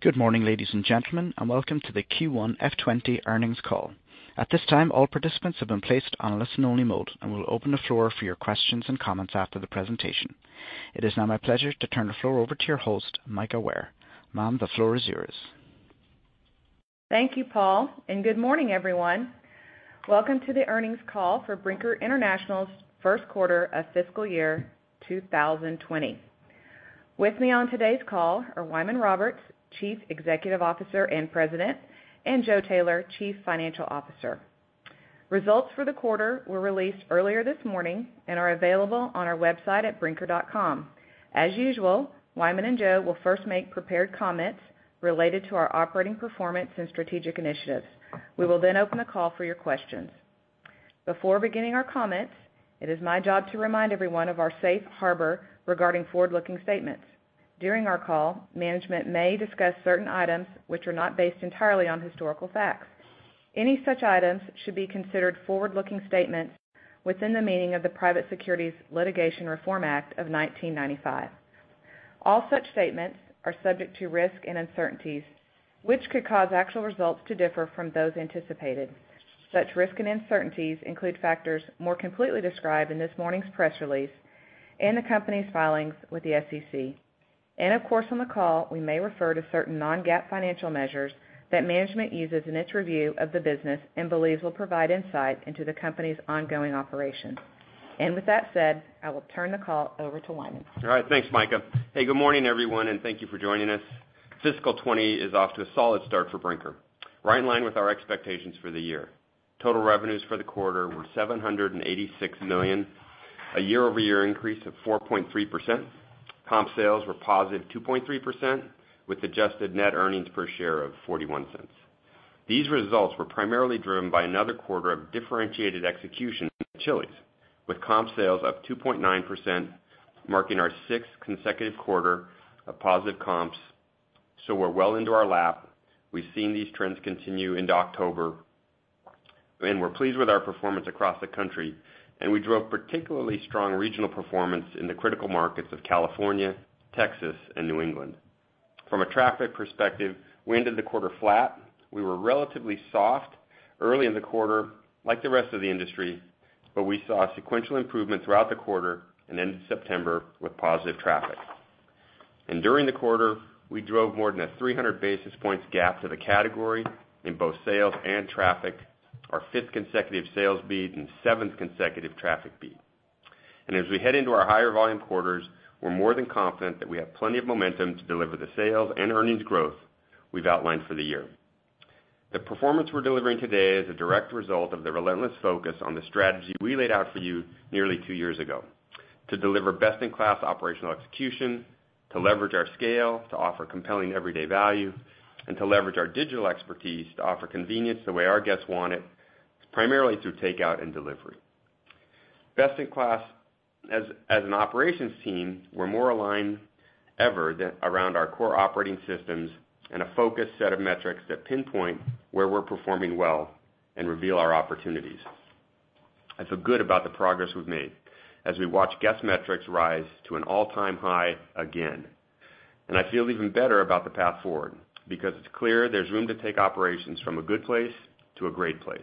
Good morning, ladies and gentlemen, and welcome to the Q1 FY 2020 earnings call. At this time, all participants have been placed on a listen only mode, and we'll open the floor for your questions and comments after the presentation. It is now my pleasure to turn the floor over to your host, Mika Ware. Ma'am, the floor is yours. Thank you, Paul. Good morning everyone. Welcome to the earnings call for Brinker International's first quarter of fiscal year 2020. With me on today's call are Wyman Roberts, Chief Executive Officer and President, and Joe Taylor, Chief Financial Officer. Results for the quarter were released earlier this morning and are available on our website at brinker.com. As usual, Wyman and Joe will first make prepared comments related to our operating performance and strategic initiatives. We will open the call for your questions. Before beginning our comments, it is my job to remind everyone of our safe harbor regarding forward-looking statements. During our call, management may discuss certain items which are not based entirely on historical facts. Any such items should be considered forward-looking statements within the meaning of the Private Securities Litigation Reform Act of 1995. All such statements are subject to risk and uncertainties, which could cause actual results to differ from those anticipated. Such risk and uncertainties include factors more completely described in this morning's press release and the company's filings with the SEC. Of course, on the call, we may refer to certain non-GAAP financial measures that management uses in its review of the business and believes will provide insight into the company's ongoing operations. With that said, I will turn the call over to Wyman. All right, thanks, Mika. Hey, good morning, everyone, and thank you for joining us. Fiscal 2020 is off to a solid start for Brinker, right in line with our expectations for the year. Total revenues for the quarter were $786 million, a year-over-year increase of 4.3%. Comp sales were positive 2.3%, with adjusted net earnings per share of $0.41. These results were primarily driven by another quarter of differentiated execution at Chili's, with comp sales up 2.9%, marking our sixth consecutive quarter of positive comps. We're well into our lap. We've seen these trends continue into October, and we're pleased with our performance across the country, and we drove particularly strong regional performance in the critical markets of California, Texas, and New England. From a traffic perspective, we ended the quarter flat. We were relatively soft early in the quarter, like the rest of the industry. We saw sequential improvement throughout the quarter and ended September with positive traffic. During the quarter, we drove more than a 300 basis points gap to the category in both sales and traffic, our fifth consecutive sales beat, and seventh consecutive traffic beat. As we head into our higher volume quarters, we're more than confident that we have plenty of momentum to deliver the sales and earnings growth we've outlined for the year. The performance we're delivering today is a direct result of the relentless focus on the strategy we laid out for you nearly two years ago to deliver best-in-class operational execution, to leverage our scale, to offer compelling everyday value, and to leverage our digital expertise to offer convenience the way our guests want it, primarily through takeout and delivery. Best-in-class as an operations team, we're more aligned ever around our core operating systems and a focused set of metrics that pinpoint where we're performing well and reveal our opportunities. I feel good about the progress we've made as we watch guest metrics rise to an all-time high again. I feel even better about the path forward because it's clear there's room to take operations from a good place to a great place.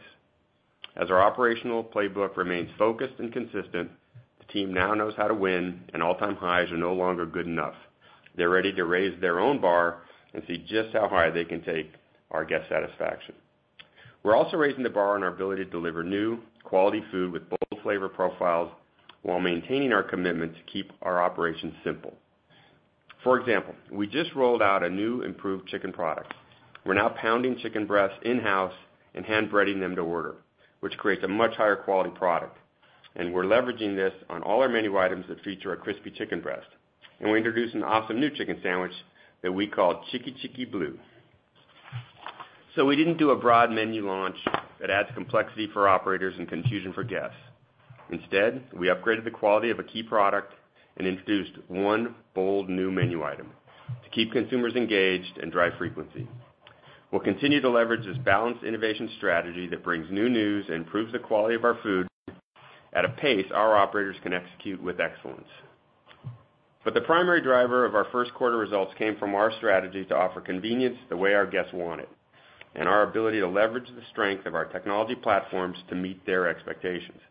As our operational playbook remains focused and consistent, the team now knows how to win, and all-time highs are no longer good enough. They're ready to raise their own bar and see just how high they can take our guest satisfaction. We're also raising the bar on our ability to deliver new, quality food with bold flavor profiles while maintaining our commitment to keep our operations simple. For example, we just rolled out a new improved chicken product. We're now pounding chicken breasts in-house and hand breading them to order, which creates a much higher quality product. We're leveraging this on all our menu items that feature a crispy chicken breast. We introduced an awesome new chicken sandwich that we call Chicky Chicky Bleu. We didn't do a broad menu launch that adds complexity for operators and confusion for guests. Instead, we upgraded the quality of a key product and introduced one bold new menu item to keep consumers engaged and drive frequency. We'll continue to leverage this balanced innovation strategy that brings new news and improves the quality of our food at a pace our operators can execute with excellence. The primary driver of our first quarter results came from our strategy to offer convenience the way our guests want it, and our ability to leverage the strength of our technology platforms to meet their expectations.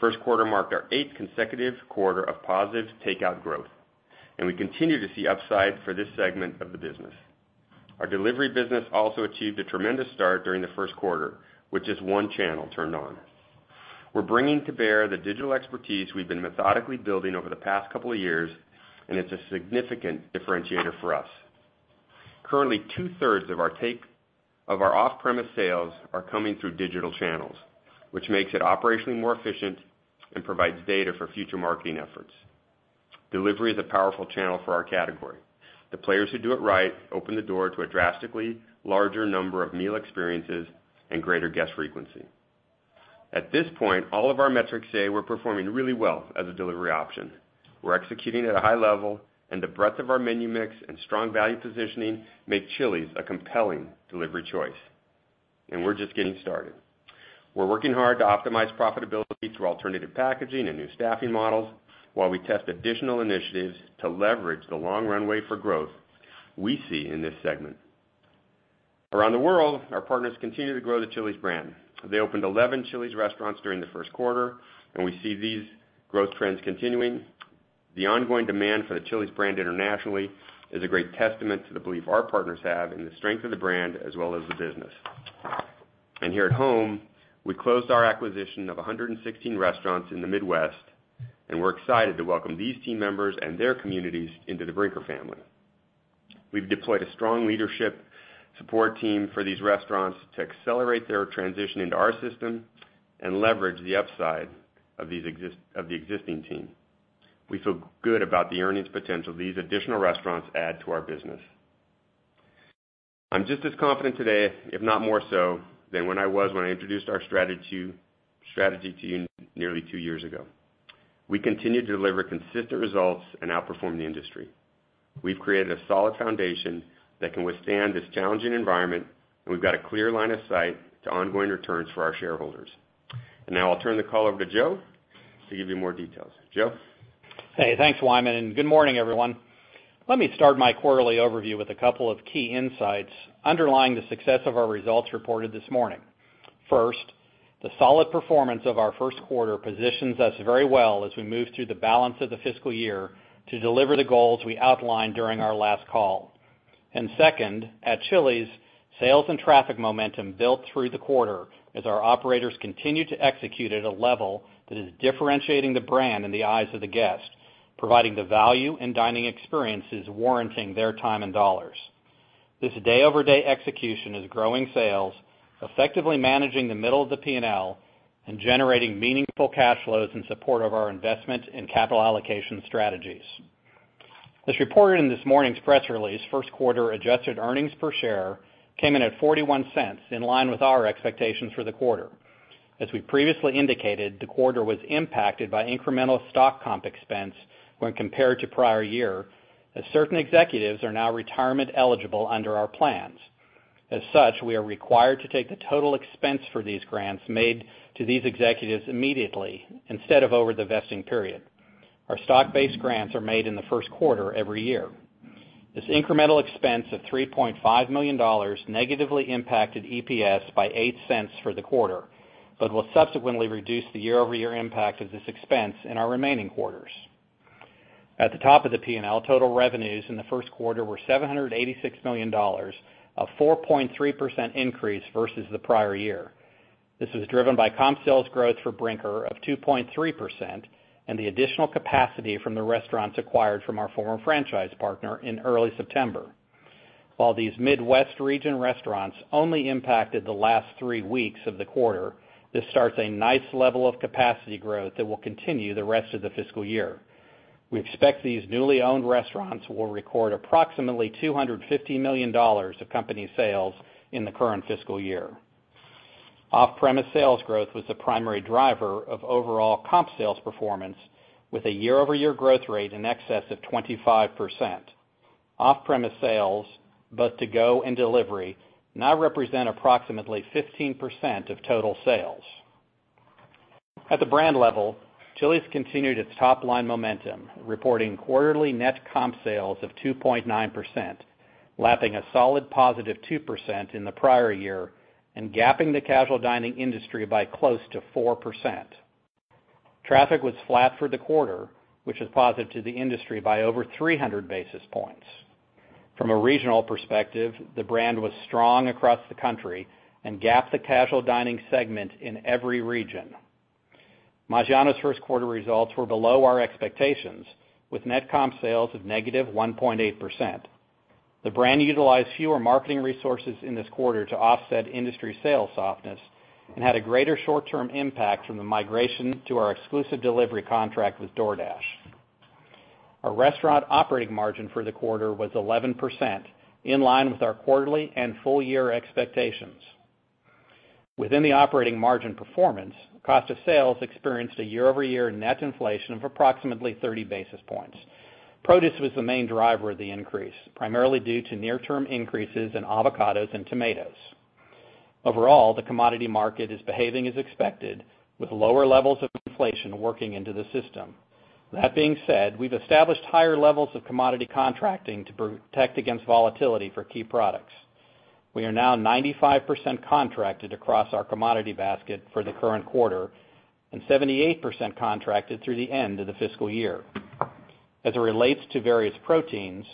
First quarter marked our eighth consecutive quarter of positive takeout growth, and we continue to see upside for this segment of the business. Our delivery business also achieved a tremendous start during the first quarter, with just one channel turned on. We're bringing to bear the digital expertise we've been methodically building over the past couple of years, and it's a significant differentiator for us. Currently, two-thirds of our off-premise sales are coming through digital channels, which makes it operationally more efficient and provides data for future marketing efforts. Delivery is a powerful channel for our category. The players who do it right open the door to a drastically larger number of meal experiences and greater guest frequency. At this point, all of our metrics say we're performing really well as a delivery option. We're executing at a high level, and the breadth of our menu mix and strong value positioning make Chili's a compelling delivery choice. We're just getting started. We're working hard to optimize profitability through alternative packaging and new staffing models while we test additional initiatives to leverage the long runway for growth we see in this segment. Around the world, our partners continue to grow the Chili's brand. They opened 11 Chili's restaurants during the first quarter, and we see these growth trends continuing. The ongoing demand for the Chili's brand internationally is a great testament to the belief our partners have in the strength of the brand as well as the business. Here at home, we closed our acquisition of 116 restaurants in the Midwest, and we're excited to welcome these team members and their communities into the Brinker family. We've deployed a strong leadership support team for these restaurants to accelerate their transition into our system and leverage the upside of the existing team. We feel good about the earnings potential these additional restaurants add to our business. I'm just as confident today, if not more so, than when I introduced our strategy to you nearly two years ago. We continue to deliver consistent results and outperform the industry. We've created a solid foundation that can withstand this challenging environment, and we've got a clear line of sight to ongoing returns for our shareholders. Now I'll turn the call over to Joe to give you more details. Joe? Hey, thanks, Wyman. Good morning, everyone. Let me start my quarterly overview with a couple of key insights underlying the success of our results reported this morning. First, the solid performance of our first quarter positions us very well as we move through the balance of the fiscal year to deliver the goals we outlined during our last call. Second, at Chili's, sales and traffic momentum built through the quarter as our operators continue to execute at a level that is differentiating the brand in the eyes of the guest, providing the value and dining experiences warranting their time and dollars. This day-over-day execution is growing sales, effectively managing the middle of the P&L, and generating meaningful cash flows in support of our investment in capital allocation strategies. As reported in this morning's press release, first quarter-adjusted earnings per share came in at $0.41, in line with our expectations for the quarter. As we previously indicated, the quarter was impacted by incremental stock comp expense when compared to prior year, as certain executives are now retirement eligible under our plans. As such, we are required to take the total expense for these grants made to these executives immediately instead of over the vesting period. Our stock-based grants are made in the first quarter every year. This incremental expense of $3.5 million negatively impacted EPS by $0.08 for the quarter, but will subsequently reduce the year-over-year impact of this expense in our remaining quarters. At the top of the P&L, total revenues in the first quarter were $786 million, a 4.3% increase versus the prior year. This was driven by comp sales growth for Brinker of 2.3% and the additional capacity from the restaurants acquired from our former franchise partner in early September. While these Midwest region restaurants only impacted the last 3 weeks of the quarter, this starts a nice level of capacity growth that will continue the rest of the fiscal year. We expect these newly owned restaurants will record approximately $250 million of company sales in the current fiscal year. Off-premise sales growth was the primary driver of overall comp sales performance with a year-over-year growth rate in excess of 25%. Off-premise sales, both to-go and delivery, now represent approximately 15% of total sales. At the brand level, Chili's continued its top-line momentum, reporting quarterly net comp sales of 2.9%, lapping a solid positive 2% in the prior year and gapping the casual dining industry by close to 4%. Traffic was flat for the quarter, which is positive to the industry by over 300 basis points. From a regional perspective, the brand was strong across the country and gapped the casual dining segment in every region. Maggiano's first quarter results were below our expectations with net comp sales of -1.8%. The brand utilized fewer marketing resources in this quarter to offset industry sales softness and had a greater short-term impact from the migration to our exclusive delivery contract with DoorDash. Our restaurant operating margin for the quarter was 11%, in line with our quarterly and full-year expectations. Within the operating margin performance, cost of sales experienced a year-over-year net inflation of approximately 30 basis points. Produce was the main driver of the increase, primarily due to near-term increases in avocados and tomatoes. Overall, the commodity market is behaving as expected, with lower levels of inflation working into the system. That being said, we've established higher levels of commodity contracting to protect against volatility for key products. We are now 95% contracted across our commodity basket for the current quarter and 78% contracted through the end of the fiscal year. As it relates to various proteins,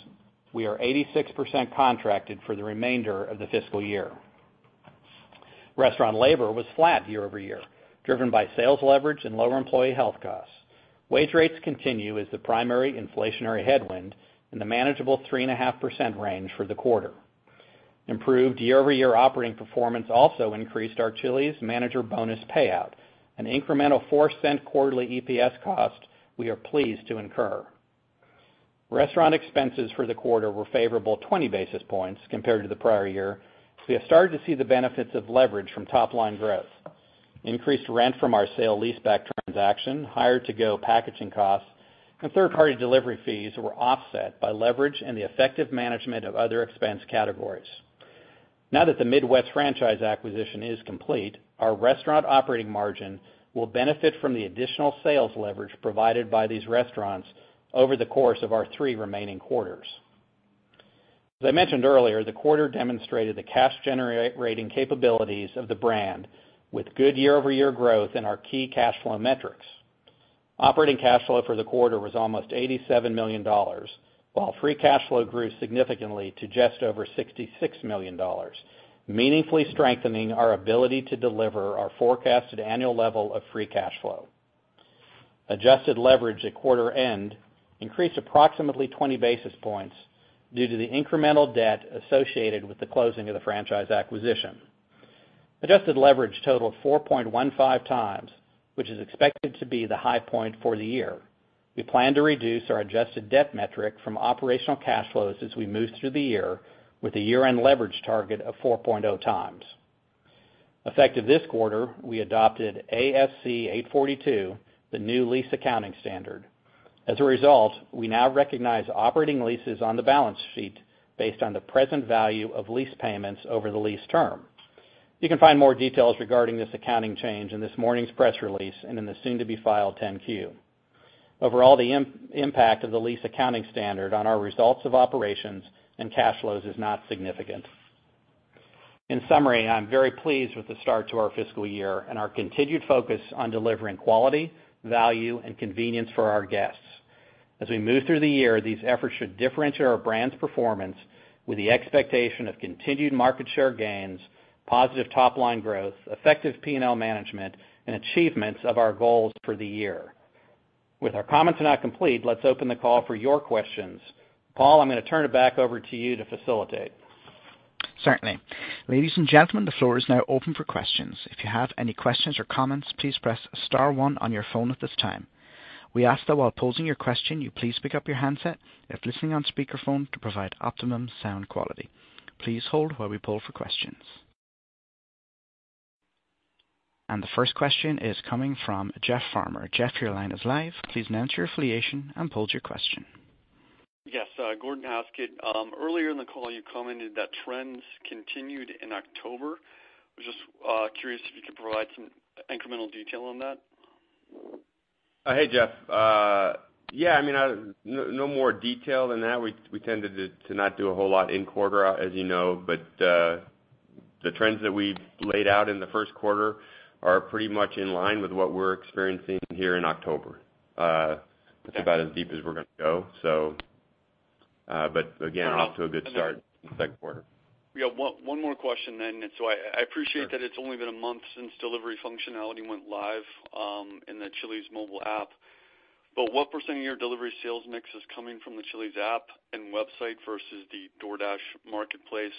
we are 86% contracted for the remainder of the fiscal year. Restaurant labor was flat year-over-year, driven by sales leverage and lower employee health costs. Wage rates continue as the primary inflationary headwind in the manageable 3.5% range for the quarter. Improved year-over-year operating performance also increased our Chili's manager bonus payout, an incremental $0.04 quarterly EPS cost we are pleased to incur. Restaurant expenses for the quarter were favorable 20 basis points compared to the prior year. We have started to see the benefits of leverage from top-line growth. Increased rent from our sale leaseback transaction, higher to-go packaging costs, and third-party delivery fees were offset by leverage and the effective management of other expense categories. Now that the Midwest franchise acquisition is complete, our restaurant operating margin will benefit from the additional sales leverage provided by these restaurants over the course of our three remaining quarters. As I mentioned earlier, the quarter demonstrated the cash-generating capabilities of the brand with good year-over-year growth in our key cash flow metrics. Operating cash flow for the quarter was almost $87 million, while free cash flow grew significantly to just over $66 million, meaningfully strengthening our ability to deliver our forecasted annual level of free cash flow. Adjusted leverage at quarter end increased approximately 20 basis points due to the incremental debt associated with the closing of the franchise acquisition. Adjusted leverage totaled 4.15 times, which is expected to be the high point for the year. We plan to reduce our adjusted debt metric from operational cash flows as we move through the year with a year-end leverage target of 4.0 times. Effective this quarter, we adopted ASC 842, the new lease accounting standard. As a result, we now recognize operating leases on the balance sheet based on the present value of lease payments over the lease term. You can find more details regarding this accounting change in this morning's press release and in the soon-to-be-filed 10-Q. Overall, the impact of the lease accounting standard on our results of operations and cash flows is not significant. In summary, I'm very pleased with the start to our fiscal year and our continued focus on delivering quality, value, and convenience for our guests. As we move through the year, these efforts should differentiate our brand's performance with the expectation of continued market share gains, positive top-line growth, effective P&L management, and achievements of our goals for the year. With our comments now complete, let's open the call for your questions. Paul, I'm going to turn it back over to you to facilitate. Certainly. Ladies and gentlemen, the floor is now open for questions. If you have any questions or comments, please press *1 on your phone at this time. We ask that while posing your question, you please pick up your handset if listening on speakerphone to provide optimum sound quality. Please hold while we poll for questions. The first question is coming from Jeff Farmer. Jeff, your line is live. Please state your affiliation and pose your question. Yes, Gordon Haskett. Earlier in the call, you commented that trends continued in October. Was just curious if you could provide some incremental detail on that. Hey, Jeff. Yeah, no more detail than that. We tended to not do a whole lot in quarter, as you know. The trends that we laid out in the first quarter are pretty much in line with what we're experiencing here in October. That's about as deep as we're going to go. Again, off to a good start in the second quarter. Yeah, one more question then. I appreciate that it's only been a month since delivery functionality went live in the Chili's mobile app, but what % of your delivery sales mix is coming from the Chili's app and website versus the DoorDash marketplace?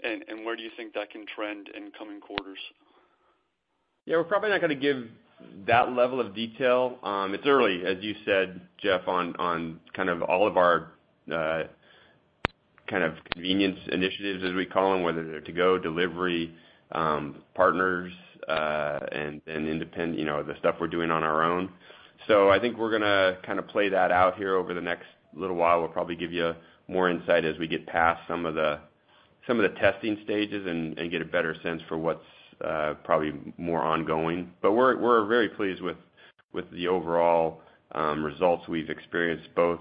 Where do you think that can trend in coming quarters? Yeah, we're probably not going to give that level of detail. It's early, as you said, Jeff, on all of our convenience initiatives, as we call them, whether they're to-go, delivery, partners, and the stuff we're doing on our own. I think we're going to play that out here over the next little while. We'll probably give you more insight as we get past some of the testing stages and get a better sense for what's probably more ongoing. We're very pleased with the overall results we've experienced, both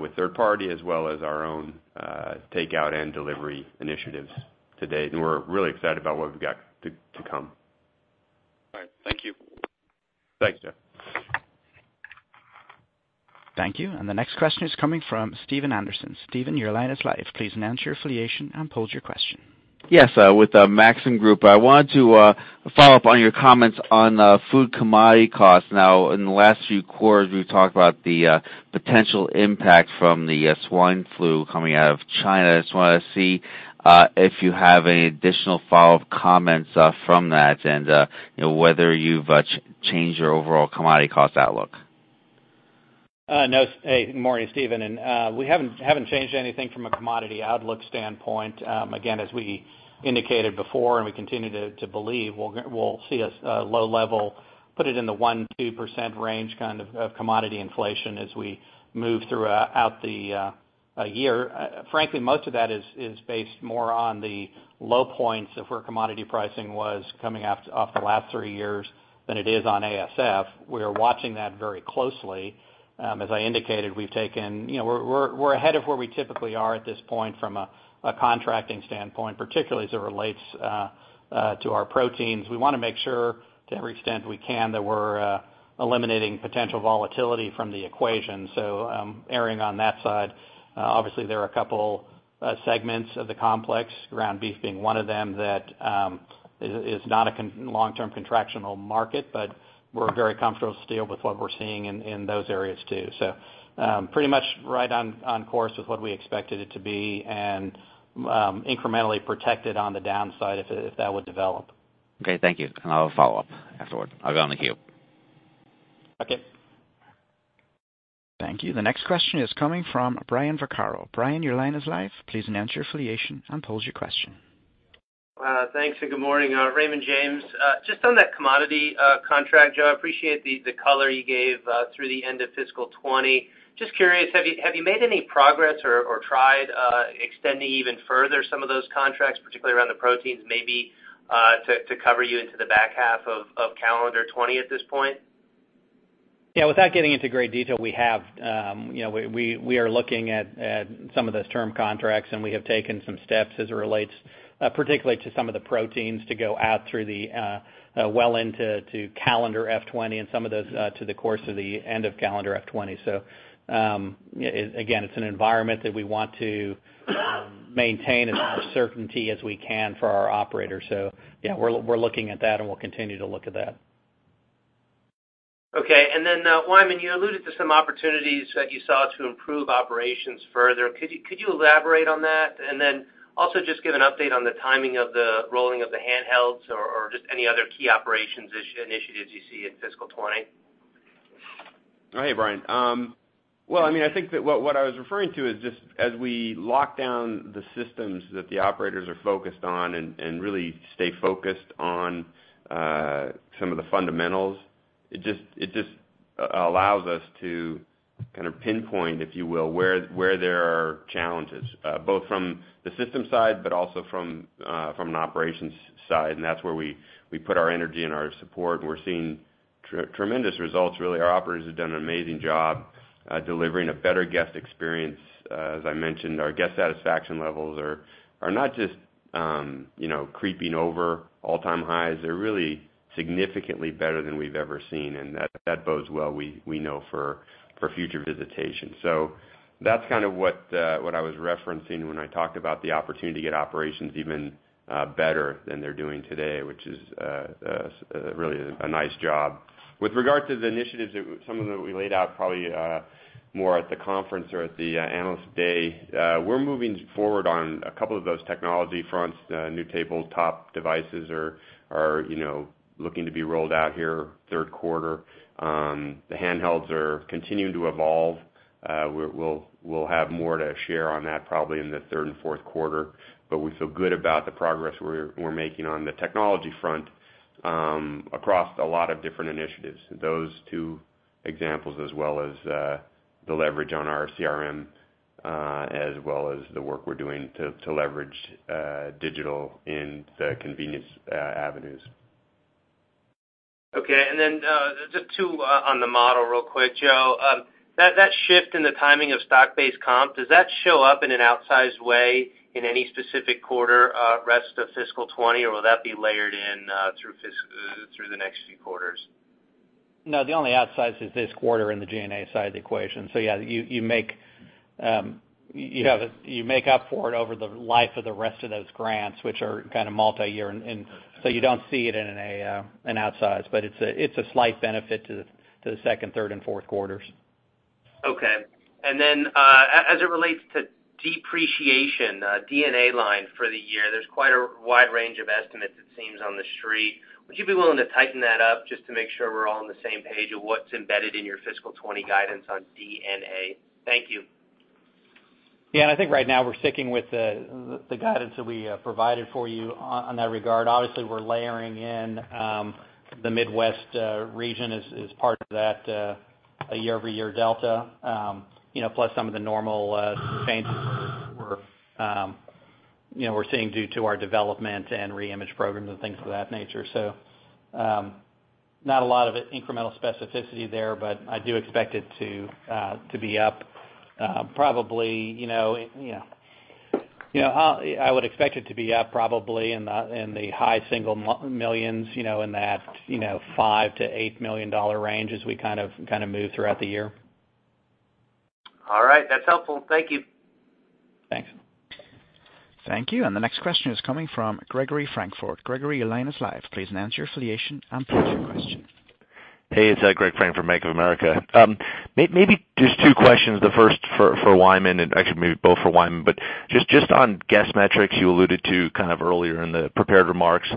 with third party as well as our own takeout and delivery initiatives to date. We're really excited about what we've got to come. All right. Thank you. Thanks, Jeff. Thank you. The next question is coming from Steven Anderson. Steven, your line is live. Please state your affiliation and pose your question. Yes, with Maxim Group. I wanted to follow up on your comments on food commodity costs. Now in the last few quarters, we've talked about the potential impact from the swine flu coming out of China. I just wanted to see if you have any additional follow-up comments from that and whether you've changed your overall commodity cost outlook. No. Hey, morning, Steven. We haven't changed anything from a commodity outlook standpoint. Again, as we indicated before, and we continue to believe, we'll see a low level, put it in the 1%, 2% range of commodity inflation as we move throughout the year. Frankly, most of that is based more on the low points of where commodity pricing was coming off the last three years than it is on ASF. We are watching that very closely. As I indicated, we're ahead of where we typically are at this point from a contracting standpoint, particularly as it relates to our proteins. We want to make sure to every extent we can that we're eliminating potential volatility from the equation. Erring on that side. Obviously, there are a couple segments of the complex, ground beef being one of them, that is not a long-term contractual market, but we're very comfortable still with what we're seeing in those areas, too. pretty much right on course with what we expected it to be and incrementally protected on the downside if that would develop. Okay, thank you. I'll follow up afterwards. I'll get on the queue. Okay. Thank you. The next question is coming from Brian Vaccaro. Brian, your line is live. Please announce your affiliation and pose your question. Thanks, and good morning. Raymond James. Just on that commodity contract, Joe, I appreciate the color you gave through the end of fiscal 2020. Just curious, have you made any progress or tried extending even further some of those contracts, particularly around the proteins, maybe to cover you into the back half of calendar 2020 at this point? Yeah, without getting into great detail, we are looking at some of those term contracts, and we have taken some steps as it relates particularly to some of the proteins to go out well into calendar F20 and some of those to the course of the end of calendar F20. Again, it's an environment that we want to maintain as much certainty as we can for our operators. Yeah, we're looking at that, and we'll continue to look at that. Okay. Wyman, you alluded to some opportunities that you saw to improve operations further. Could you elaborate on that? Also just give an update on the timing of the rolling of the handhelds or just any other key operations initiatives you see in fiscal 2020. Hey, Brian. Well, I think that what I was referring to is just as we lock down the systems that the operators are focused on and really stay focused on some of the fundamentals, it just allows us to kind of pinpoint, if you will, where there are challenges, both from the system side, but also from an operations side. That's where we put our energy and our support, and we're seeing tremendous results, really. Our operators have done an amazing job delivering a better guest experience. As I mentioned, our guest satisfaction levels are not just creeping over all-time highs. They're really significantly better than we've ever seen, and that bodes well, we know, for future visitation. That's kind of what I was referencing when I talked about the opportunity to get operations even better than they're doing today, which is really a nice job. With regard to the initiatives, some of them that we laid out, probably more at the conference or at the analyst day, we're moving forward on a couple of those technology fronts. New tabletop devices are looking to be rolled out here third quarter. The handhelds are continuing to evolve. We'll have more to share on that probably in the third and fourth quarter. We feel good about the progress we're making on the technology front across a lot of different initiatives. Those two examples as well as the leverage on our CRM, as well as the work we're doing to leverage digital in the convenience avenues. Okay, just two on the model real quick, Joe. That shift in the timing of stock-based comp, does that show up in an outsized way in any specific quarter rest of fiscal '20, or will that be layered in through the next few quarters? No, the only outsize is this quarter in the G&A side of the equation. yeah, you make up for it over the life of the rest of those grants, which are kind of multi-year. you don't see it in an outsize, but it's a slight benefit to the second, third and fourth quarters. Okay. As it relates to depreciation, D&A line for the year, there's quite a wide range of estimates, it seems, on the street. Would you be willing to tighten that up just to make sure we're all on the same page of what's embedded in your fiscal '20 guidance on D&A? Thank you. Yeah, I think right now we're sticking with the guidance that we provided for you on that regard. Obviously, we're layering in the Midwest region as part of that year-over-year delta. Plus some of the normal changes we're seeing due to our development and reimage programs and things of that nature. Not a lot of incremental specificity there, but I would expect it to be up probably in the high single millions, in that $5 million-$8 million range as we kind of move throughout the year. All right. That's helpful. Thank you. Thanks. Thank you. The next question is coming from Gregory Francfort. Gregory, your line is live. Please announce your affiliation and pose your question. Hey, it's Greg Francfort, Bank of America. Maybe just two questions, the first for Wyman, and actually maybe both for Wyman. Just on guest metrics you alluded to kind of earlier in the prepared remarks,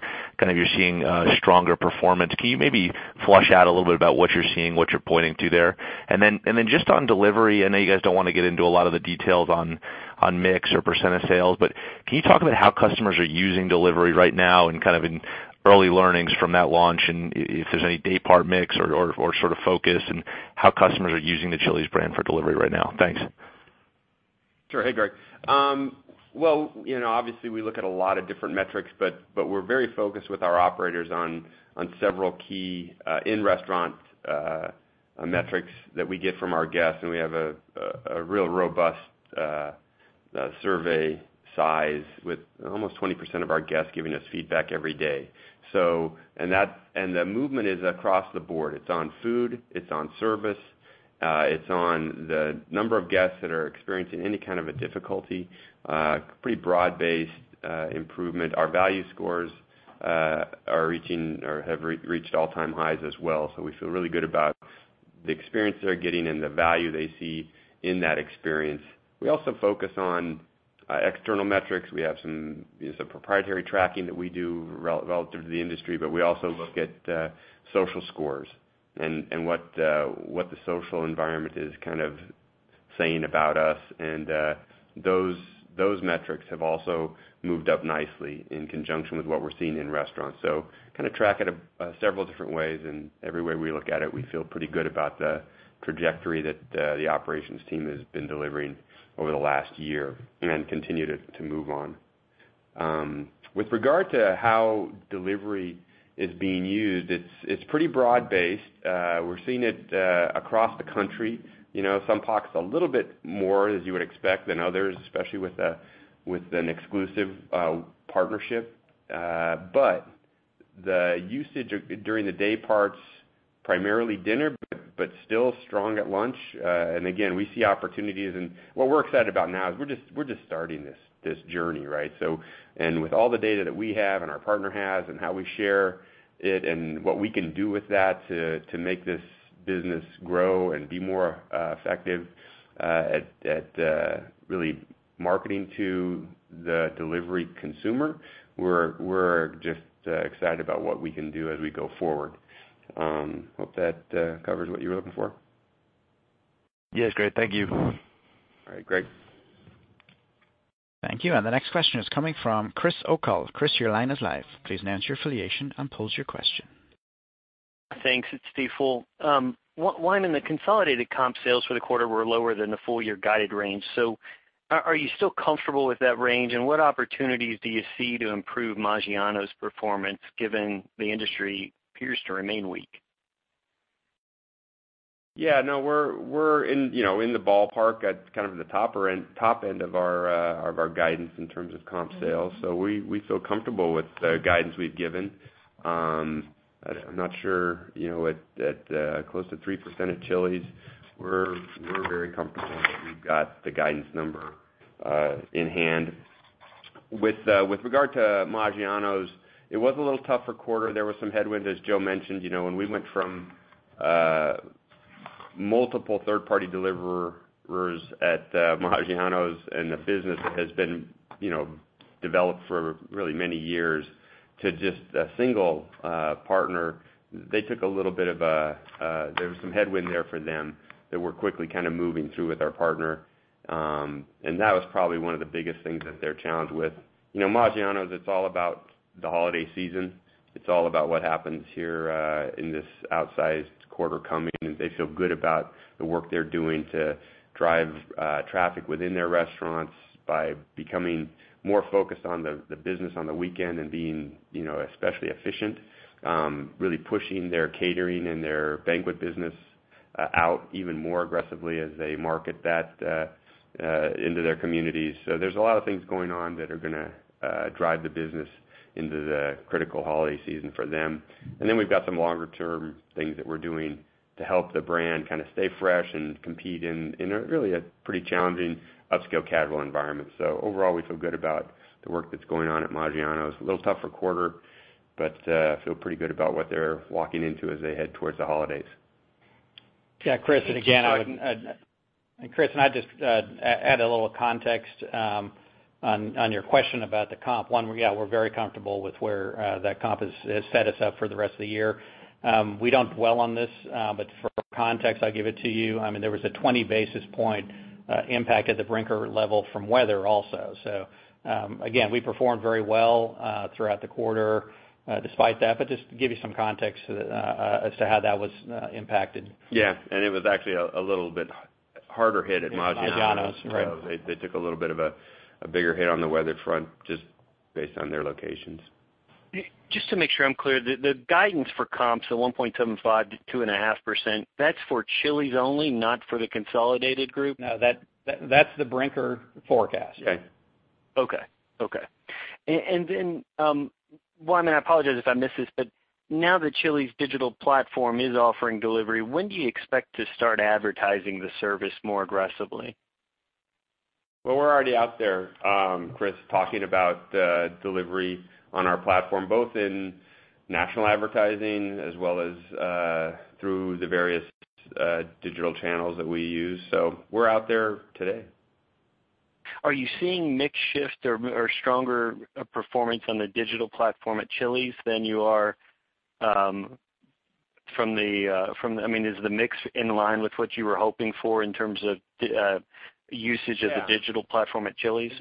you're seeing stronger performance. Can you maybe flesh out a little bit about what you're seeing, what you're pointing to there? Then just on delivery, I know you guys don't want to get into a lot of the details on mix or percent of sales, but can you talk about how customers are using delivery right now and kind of early learnings from that launch and if there's any day part mix or sort of focus and how customers are using the Chili's brand for delivery right now? Thanks. Sure. Hey, Greg. Well, obviously we look at a lot of different metrics, but we're very focused with our operators on several key in-restaurant metrics that we get from our guests, and we have a real robust survey size with almost 20% of our guests giving us feedback every day. The movement is across the board. It's on food, it's on service, it's on the number of guests that are experiencing any kind of a difficulty. Pretty broad-based improvement. Our value scores have reached all-time highs as well. We feel really good about the experience they're getting and the value they see in that experience. We also focus on external metrics, we have some proprietary tracking that we do relative to the industry, but we also look at social scores and what the social environment is saying about us. Those metrics have also moved up nicely in conjunction with what we're seeing in restaurants. Track it several different ways, and every way we look at it, we feel pretty good about the trajectory that the operations team has been delivering over the last year and continue to move on. With regard to how delivery is being used, it's pretty broad-based. We're seeing it across the country. Some pockets a little bit more, as you would expect, than others, especially with an exclusive partnership. The usage during the day parts, primarily dinner, but still strong at lunch. Again, we see opportunities, and what we're excited about now is we're just starting this journey, right? With all the data that we have and our partner has and how we share it and what we can do with that to make this business grow and be more effective at really marketing to the delivery consumer, we're just excited about what we can do as we go forward. Hope that covers what you were looking for. Yes. Great. Thank you. All right. Great. Thank you. The next question is coming from Chris O'Cull. Chris, your line is live. Please announce your affiliation and pose your question. Thanks. It's Stifel. Wyman, the consolidated comp sales for the quarter were lower than the full-year guided range. are you still comfortable with that range? what opportunities do you see to improve Maggiano's performance, given the industry appears to remain weak? Yeah, no, we're in the ballpark at kind of the top end of our guidance in terms of comp sales. We feel comfortable with the guidance we've given. I'm not sure, at close to 3% at Chili's, we're very comfortable that we've got the guidance number in hand. With regard to Maggiano's, it was a little tougher quarter. There was some headwind, as Joe mentioned, when we went from multiple third-party deliverers at Maggiano's, and the business has been developed for really many years to just a single partner. There was some headwind there for them that we're quickly kind of moving through with our partner. That was probably one of the biggest things that they're challenged with. Maggiano's, it's all about the holiday season. It's all about what happens here in this outsized quarter coming. They feel good about the work they're doing to drive traffic within their restaurants by becoming more focused on the business on the weekend and being especially efficient, really pushing their catering and their banquet business out even more aggressively as they market that into their communities. There's a lot of things going on that are going to drive the business into the critical holiday season for them. We've got some longer-term things that we're doing to help the brand stay fresh and compete in a really pretty challenging upscale casual environment. Overall, we feel good about the work that's going on at Maggiano's. A little tougher quarter, but feel pretty good about what they're walking into as they head towards the holidays. Yeah, Chris, I'd just add a little context on your question about the comp. One, yeah, we're very comfortable with where that comp has set us up for the rest of the year. We don't dwell on this, but for context, I'll give it to you. There was a 20 basis point impact at the Brinker level from weather also. Again, we performed very well throughout the quarter despite that. Just to give you some context as to how that was impacted. Yeah, it was actually a little bit harder hit at Maggiano's. Maggiano's, right. They took a little bit of a bigger hit on the weather front just based on their locations. Just to make sure I'm clear, the guidance for comps at 1.75% to 2.5%, that's for Chili's only, not for the consolidated group? No, that's the Brinker forecast. Yeah. Okay. Wyman, I apologize if I missed this, but now that Chili's digital platform is offering delivery, when do you expect to start advertising the service more aggressively? Well, we're already out there, Chris, talking about delivery on our platform, both in national advertising as well as through the various digital channels that we use. We're out there today. Is the mix in line with what you were hoping for in terms of usage of the digital platform at Chili's?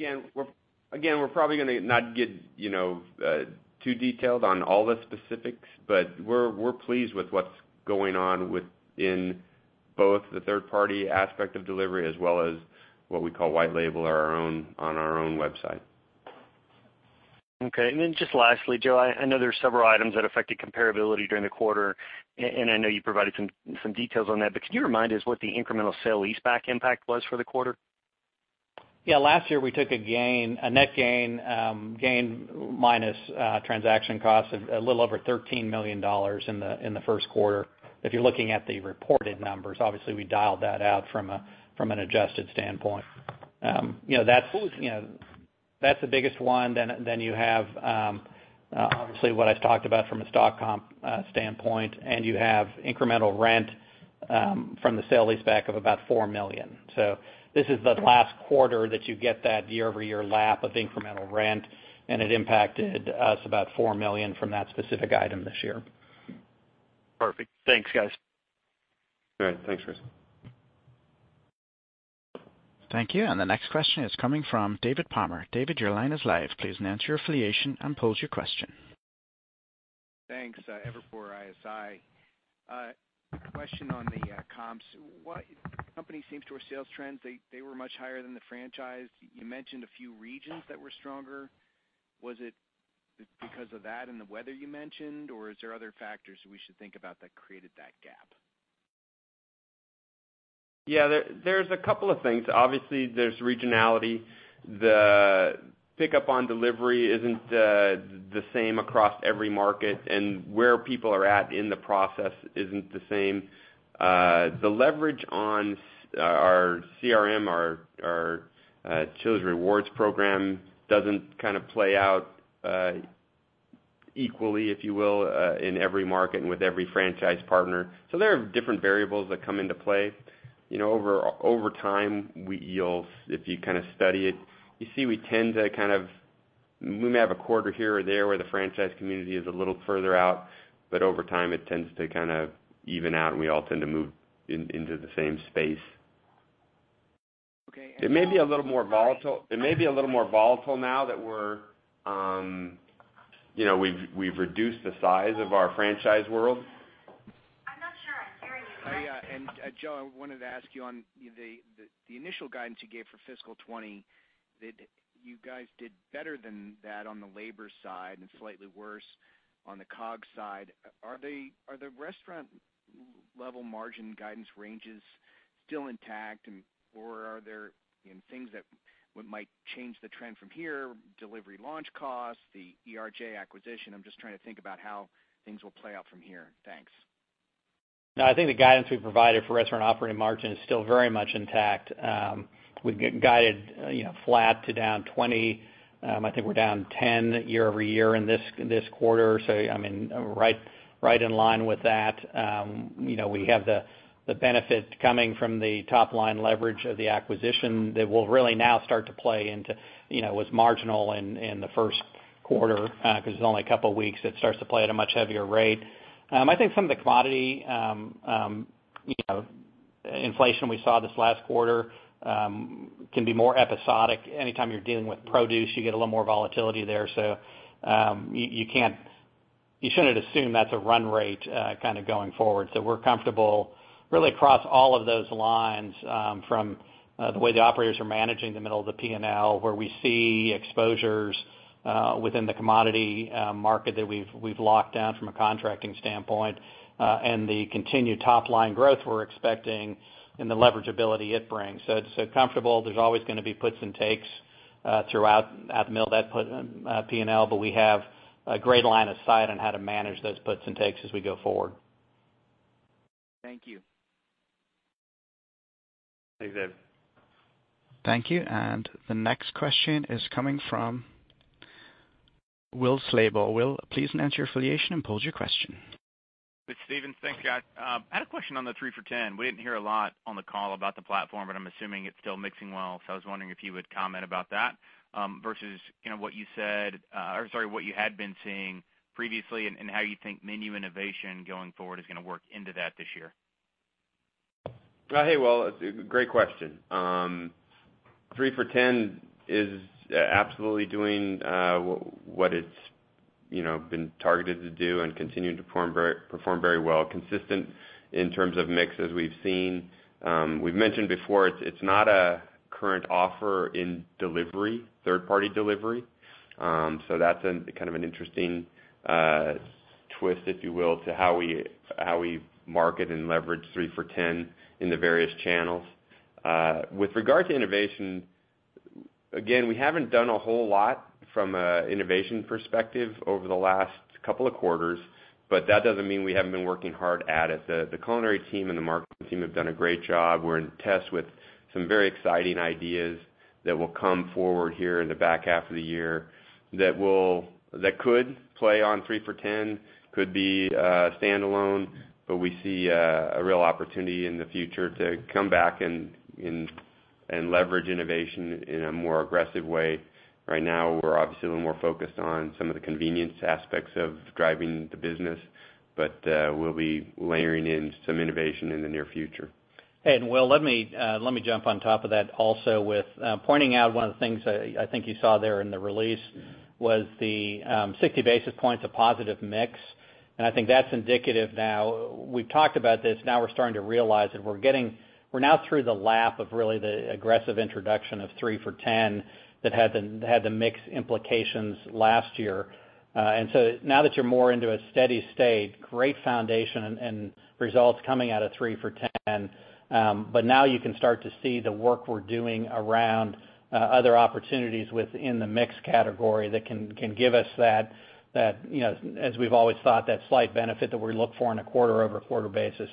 Again, we're probably going to not get too detailed on all the specifics, but we're pleased with what's going on within both the third-party aspect of delivery as well as what we call white label on our own website. Okay. just lastly, Joe, I know there's several items that affected comparability during the quarter, and I know you provided some details on that, but can you remind us what the incremental sale leaseback impact was for the quarter? Yeah. Last year, we took a net gain minus transaction costs, of a little over $13 million in the first quarter. If you're looking at the reported numbers, obviously, we dialed that out from an adjusted standpoint. That's the biggest one. You have, obviously what I've talked about from a stock comp standpoint, and you have incremental rent from the sale leaseback of about $4 million. This is the last quarter that you get that year-over-year lap of incremental rent, and it impacted us about $4 million from that specific item this year. Perfect. Thanks, guys. All right. Thanks, Chris. Thank you. The next question is coming from David Palmer. David, your line is live. Please state your affiliation and pose your question. Thanks. Evercore ISI. Question on the comps. Company same-store sales trends, they were much higher than the franchise. You mentioned a few regions that were stronger. Was it because of that and the weather you mentioned, or is there other factors we should think about that created that gap? Yeah, there's a couple of things. Obviously, there's regionality. The pickup on delivery isn't the same across every market, and where people are at in the process isn't the same. The leverage on our CRM, our Chili's rewards program, doesn't kind of play out equally, if you will, in every market and with every franchise partner. There are different variables that come into play. Over time, if you kind of study it, you see we may have a quarter here or there where the franchise community is a little further out, but over time it tends to kind of even out, and we all tend to move into the same space. Okay. Joe- It may be a little more volatile now that we've reduced the size of our franchise world. I'm not sure I'm hearing you correctly. Joe, I wanted to ask you on the initial guidance you gave for fiscal '20, you guys did better than that on the labor side and slightly worse on the COGS side. Are the restaurant level margin guidance ranges still intact? Or are there things that might change the trend from here, delivery launch costs, the ERJ acquisition? I'm just trying to think about how things will play out from here. Thanks. No, I think the guidance we provided for restaurant operating margin is still very much intact. We guided flat to down 20. I think we're down 10 year-over-year in this quarter. Right in line with that. We have the benefit coming from the top-line leverage of the acquisition that will really now start to play into, was marginal in the first quarter, because it's only a couple of weeks, it starts to play at a much heavier rate. I think some of the commodity inflation we saw this last quarter can be more episodic. Anytime you're dealing with produce, you get a little more volatility there. You shouldn't assume that's a run rate going forward. We're comfortable really across all of those lines, from the way the operators are managing the middle of the P&L, where we see exposures within the commodity market that we've locked down from a contracting standpoint, and the continued top-line growth we're expecting and the leverage ability it brings. It's comfortable. There's always going to be puts and takes throughout that middle of that P&L, but we have a great line of sight on how to manage those puts and takes as we go forward. Thank you. Thanks, David. Thank you. The next question is coming from Will Slabaugh. Will, please state your affiliation and pose your question. With Stephens. Thanks, guys. I had a question on the 3 for $10. We didn't hear a lot on the call about the platform, but I'm assuming it's still mixing well. I was wondering if you would comment about that, versus what you had been seeing previously, and how you think menu innovation going forward is going to work into that this year. Hey, Will. Great question. 3 For Me is absolutely doing what it's been targeted to do and continuing to perform very well. Consistent in terms of mix as we've seen. We've mentioned before, it's not a current offer in delivery, third party delivery. That's kind of an interesting twist, if you will, to how we market and leverage 3 For Me in the various channels. With regard to innovation, again, we haven't done a whole lot from an innovation perspective over the last couple of quarters, but that doesn't mean we haven't been working hard at it. The culinary team and the marketing team have done a great job. We're in tests with some very exciting ideas that will come forward here in the back half of the year that could play on 3 For Me, could be standalone. We see a real opportunity in the future to come back and leverage innovation in a more aggressive way. Right now, we're obviously a little more focused on some of the convenience aspects of driving the business, but we'll be layering in some innovation in the near future. Will, let me jump on top of that also with pointing out one of the things I think you saw there in the release was the 60 basis points of positive mix. I think that's indicative now. We've talked about this. Now we're starting to realize that we're now through the lap of really the aggressive introduction of 3 For Me that had the mix implications last year. Now that you're more into a steady state, great foundation and results coming out of 3 For Me. Now you can start to see the work we're doing around other opportunities within the mix category that can give us that, as we've always thought, that slight benefit that we look for on a quarter-over-quarter basis.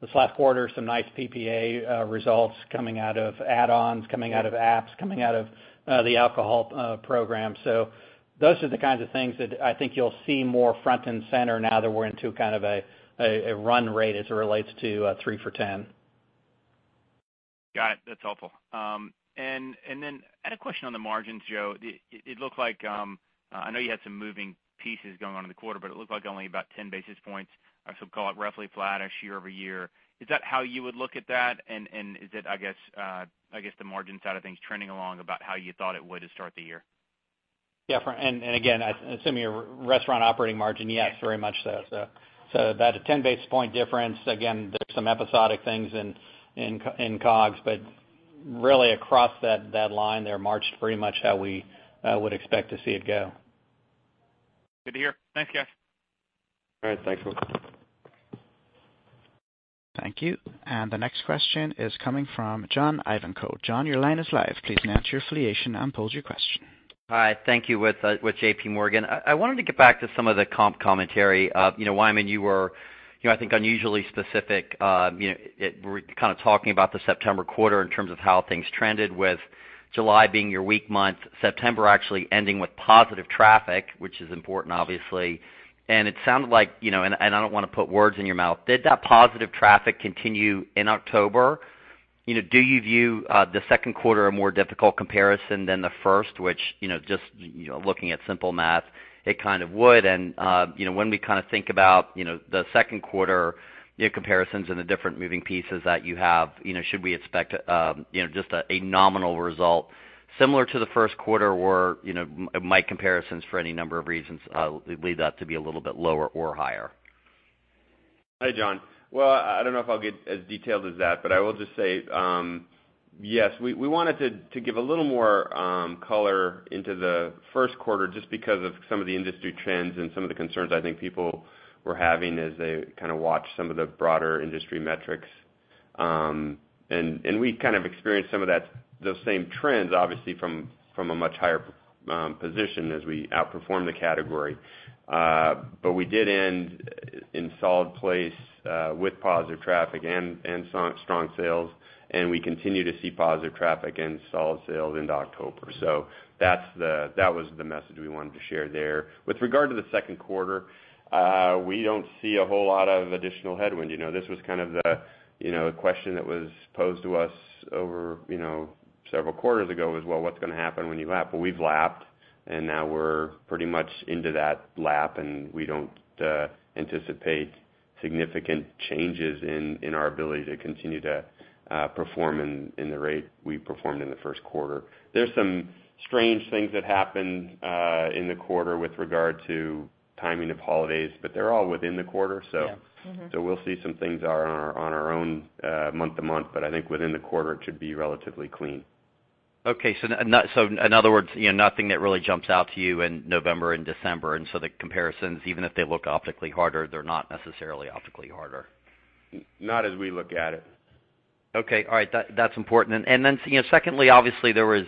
This last quarter, some nice PPA results coming out of add-ons, coming out of apps, coming out of the alcohol program. Those are the kinds of things that I think you'll see more front and center now that we're into kind of a run rate as it relates to 3 For Me. Got it. That's helpful. I had a question on the margins, Joe. I know you had some moving pieces going on in the quarter, but it looked like only about 10 basis points, I should call it roughly flat-ish year-over-year. Is that how you would look at that? is it, I guess, the margin side of things trending along about how you thought it would to start the year? Yeah. Again, assuming your restaurant operating margin, yes, very much so. That 10 basis point difference, again, there's some episodic things in COGS, but really across that line there, March is pretty much how we would expect to see it go. Good to hear. Thanks, guys. All right. Thanks. Thank you. The next question is coming from John Ivankoe. John, your line is live. Please state your affiliation and pose your question. Hi. Thank you. With J.P. Morgan. I wanted to get back to some of the comp commentary. Wyman, you were, I think, unusually specific, kind of talking about the September quarter in terms of how things trended, with July being your weak month, September actually ending with positive traffic, which is important, obviously. It sounded like, and I don't want to put words in your mouth, did that positive traffic continue in October? Do you view the second quarter a more difficult comparison than the first, which, just looking at simple math, it kind of would. When we think about the second quarter comparisons and the different moving pieces that you have, should we expect just a nominal result similar to the first quarter? Might comparisons, for any number of reasons, lead that to be a little bit lower or higher? Hi, John. Well, I don't know if I'll get as detailed as that, but I will just say, yes, we wanted to give a little more color into the first quarter just because of some of the industry trends and some of the concerns I think people were having as they watched some of the broader industry metrics. we experienced some of those same trends, obviously, from a much higher position as we outperform the category. we did end in solid place with positive traffic and strong sales, and we continue to see positive traffic and solid sales into October. that was the message we wanted to share there. With regard to the second quarter, we don't see a whole lot of additional headwind. This was kind of the question that was posed to us over several quarters ago as well. What's going to happen when you lap? Well, we've lapped, and now we're pretty much into that lap, and we don't anticipate significant changes in our ability to continue to perform in the rate we performed in the first quarter. There's some strange things that happened in the quarter with regard to timing of holidays, but they're all within the quarter. Yeah. Mm-hmm. We'll see some things on our own month to month, but I think within the quarter, it should be relatively clean. Okay. In other words, nothing that really jumps out to you in November and December. The comparisons, even if they look optically harder, they're not necessarily optically harder. Not as we look at it. Okay. All right. That's important. secondly, obviously, there was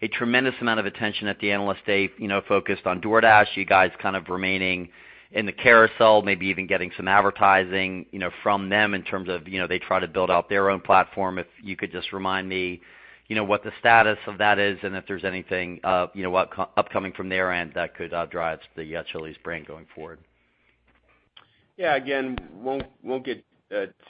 a tremendous amount of attention at the analyst date focused on DoorDash, you guys kind of remaining in the carousel, maybe even getting some advertising from them in terms of they try to build out their own platform. If you could just remind me what the status of that is and if there's anything upcoming from their end that could drive the Chili's brand going forward. Yeah. Again, won't get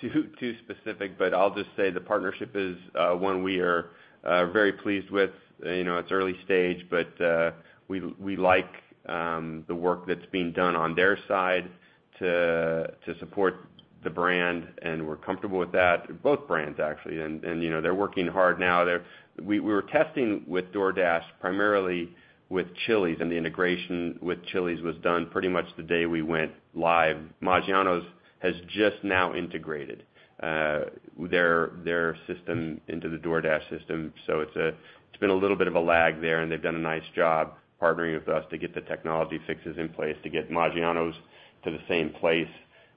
too specific, but I'll just say the partnership is one we are very pleased with. It's early stage, but we like the work that's being done on their side to support the brand, and we're comfortable with that. Both brands, actually. They're working hard now. We were testing with DoorDash primarily with Chili's, and the integration with Chili's was done pretty much the day we went live. Maggiano's has just now integrated their system into the DoorDash system. It's been a little bit of a lag there, and they've done a nice job partnering with us to get the technology fixes in place to get Maggiano's to the same place.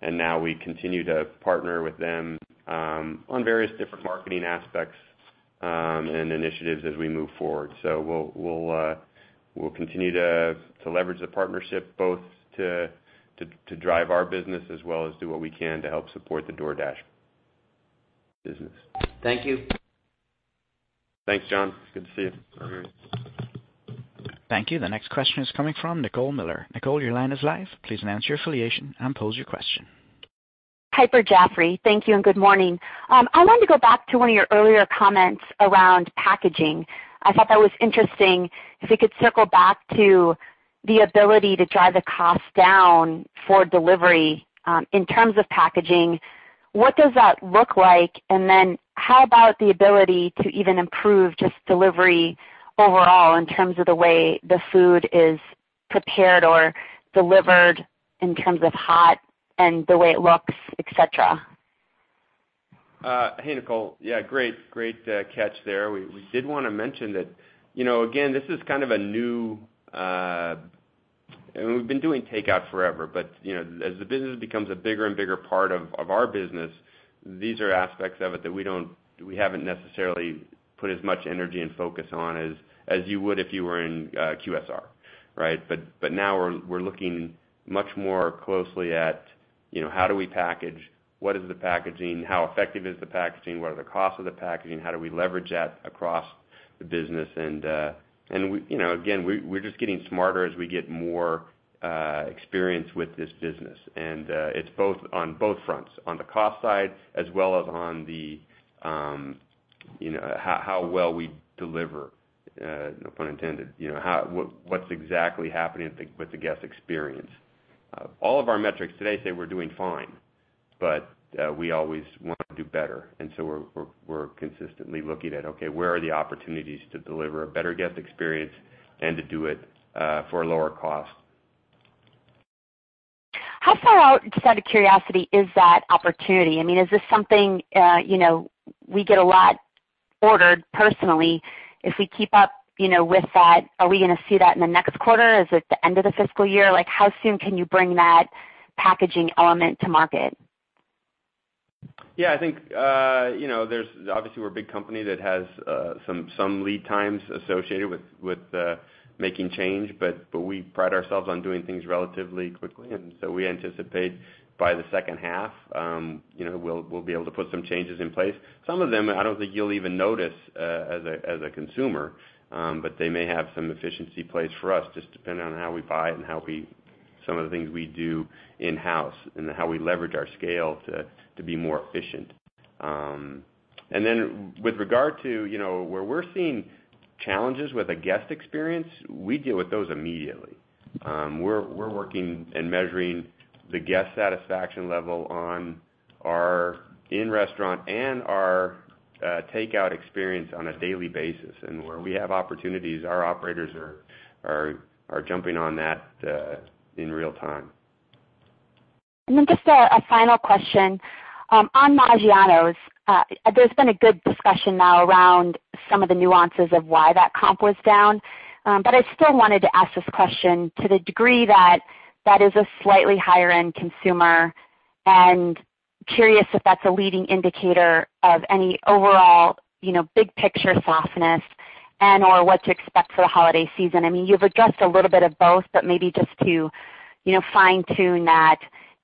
Now we continue to partner with them on various different marketing aspects and initiatives as we move forward. We'll continue to leverage the partnership both to drive our business as well as do what we can to help support the DoorDash business. Thank you. Thanks, John. Good to see you. All right. Thank you. The next question is coming from Nicole Miller. Nicole, your line is live. Please state your affiliation and pose your question. Hi, Piper Jaffray. Thank you, and good morning. I wanted to go back to one of your earlier comments around packaging. I thought that was interesting. If we could circle back to the ability to drive the cost down for delivery in terms of packaging, what does that look like? How about the ability to even improve just delivery overall in terms of the way the food is prepared or delivered in terms of hot and the way it looks, et cetera? Hey, Nicole. Yeah, great catch there. We did want to mention that, again, this is kind of a new. We've been doing takeout forever, but as the business becomes a bigger and bigger part of our business, these are aspects of it that we haven't necessarily put as much energy and focus on as you would if you were in QSR, right? Now we're looking much more closely at how do we package, what is the packaging, how effective is the packaging, what are the cost of the packaging, how do we leverage that across the business? Again, we're just getting smarter as we get more experience with this business. It's on both fronts, on the cost side as well as you know how well we deliver, no pun intended. What's exactly happening with the guest experience? All of our metrics today say we're doing fine, but we always want to do better, and so we're consistently looking at, okay, where are the opportunities to deliver a better guest experience and to do it for a lower cost? How far out, just out of curiosity, is that opportunity? Is this something we get a lot ordered personally. If we keep up with that, are we going to see that in the next quarter? Is it the end of the fiscal year? Like how soon can you bring that packaging element to market? Yeah, I think, obviously, we're a big company that has some lead times associated with making change, but we pride ourselves on doing things relatively quickly, and so we anticipate by the second half, we'll be able to put some changes in place. Some of them, I don't think you'll even notice as a consumer, but they may have some efficiency plays for us, just depending on how we buy it and some of the things we do in-house and how we leverage our scale to be more efficient. With regard to where we're seeing challenges with the guest experience, we deal with those immediately. We're working and measuring the guest satisfaction level on our in-restaurant and our takeout experience on a daily basis. Where we have opportunities, our operators are jumping on that in real time. Just a final question. On Maggiano's, there's been a good discussion now around some of the nuances of why that comp was down. I still wanted to ask this question to the degree that that is a slightly higher-end consumer and curious if that's a leading indicator of any overall big picture softness and/or what to expect for the holiday season. You've addressed a little bit of both, but maybe just to fine tune that,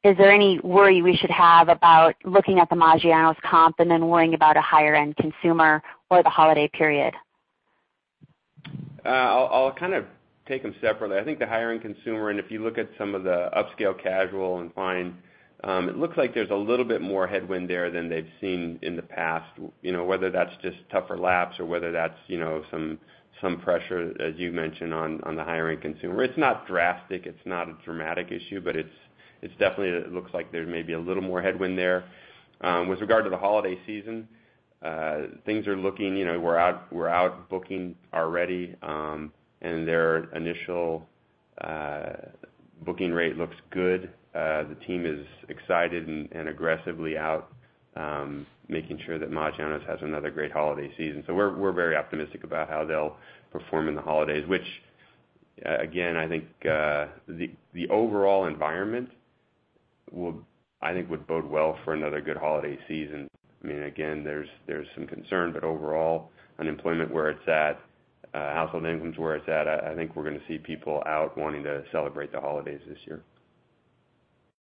is there any worry we should have about looking at the Maggiano's comp and then worrying about a higher end consumer or the holiday period? I'll kind of take them separately. I think the higher end consumer, and if you look at some of the upscale casual and fine, it looks like there's a little bit more headwind there than they've seen in the past. Whether that's just tougher laps or whether that's some pressure, as you mentioned, on the higher end consumer. It's not drastic, it's not a dramatic issue, but it definitely looks like there may be a little more headwind there. With regard to the holiday season, things are looking. We're out booking already, and their initial booking rate looks good. The team is excited and aggressively out, making sure that Maggiano's has another great holiday season. We're very optimistic about how they'll perform in the holidays, which again, I think, the overall environment will, I think, bode well for another good holiday season. Again, there's some concern, but overall, unemployment where it's at, household income's where it's at, I think we're going to see people out wanting to celebrate the holidays this year.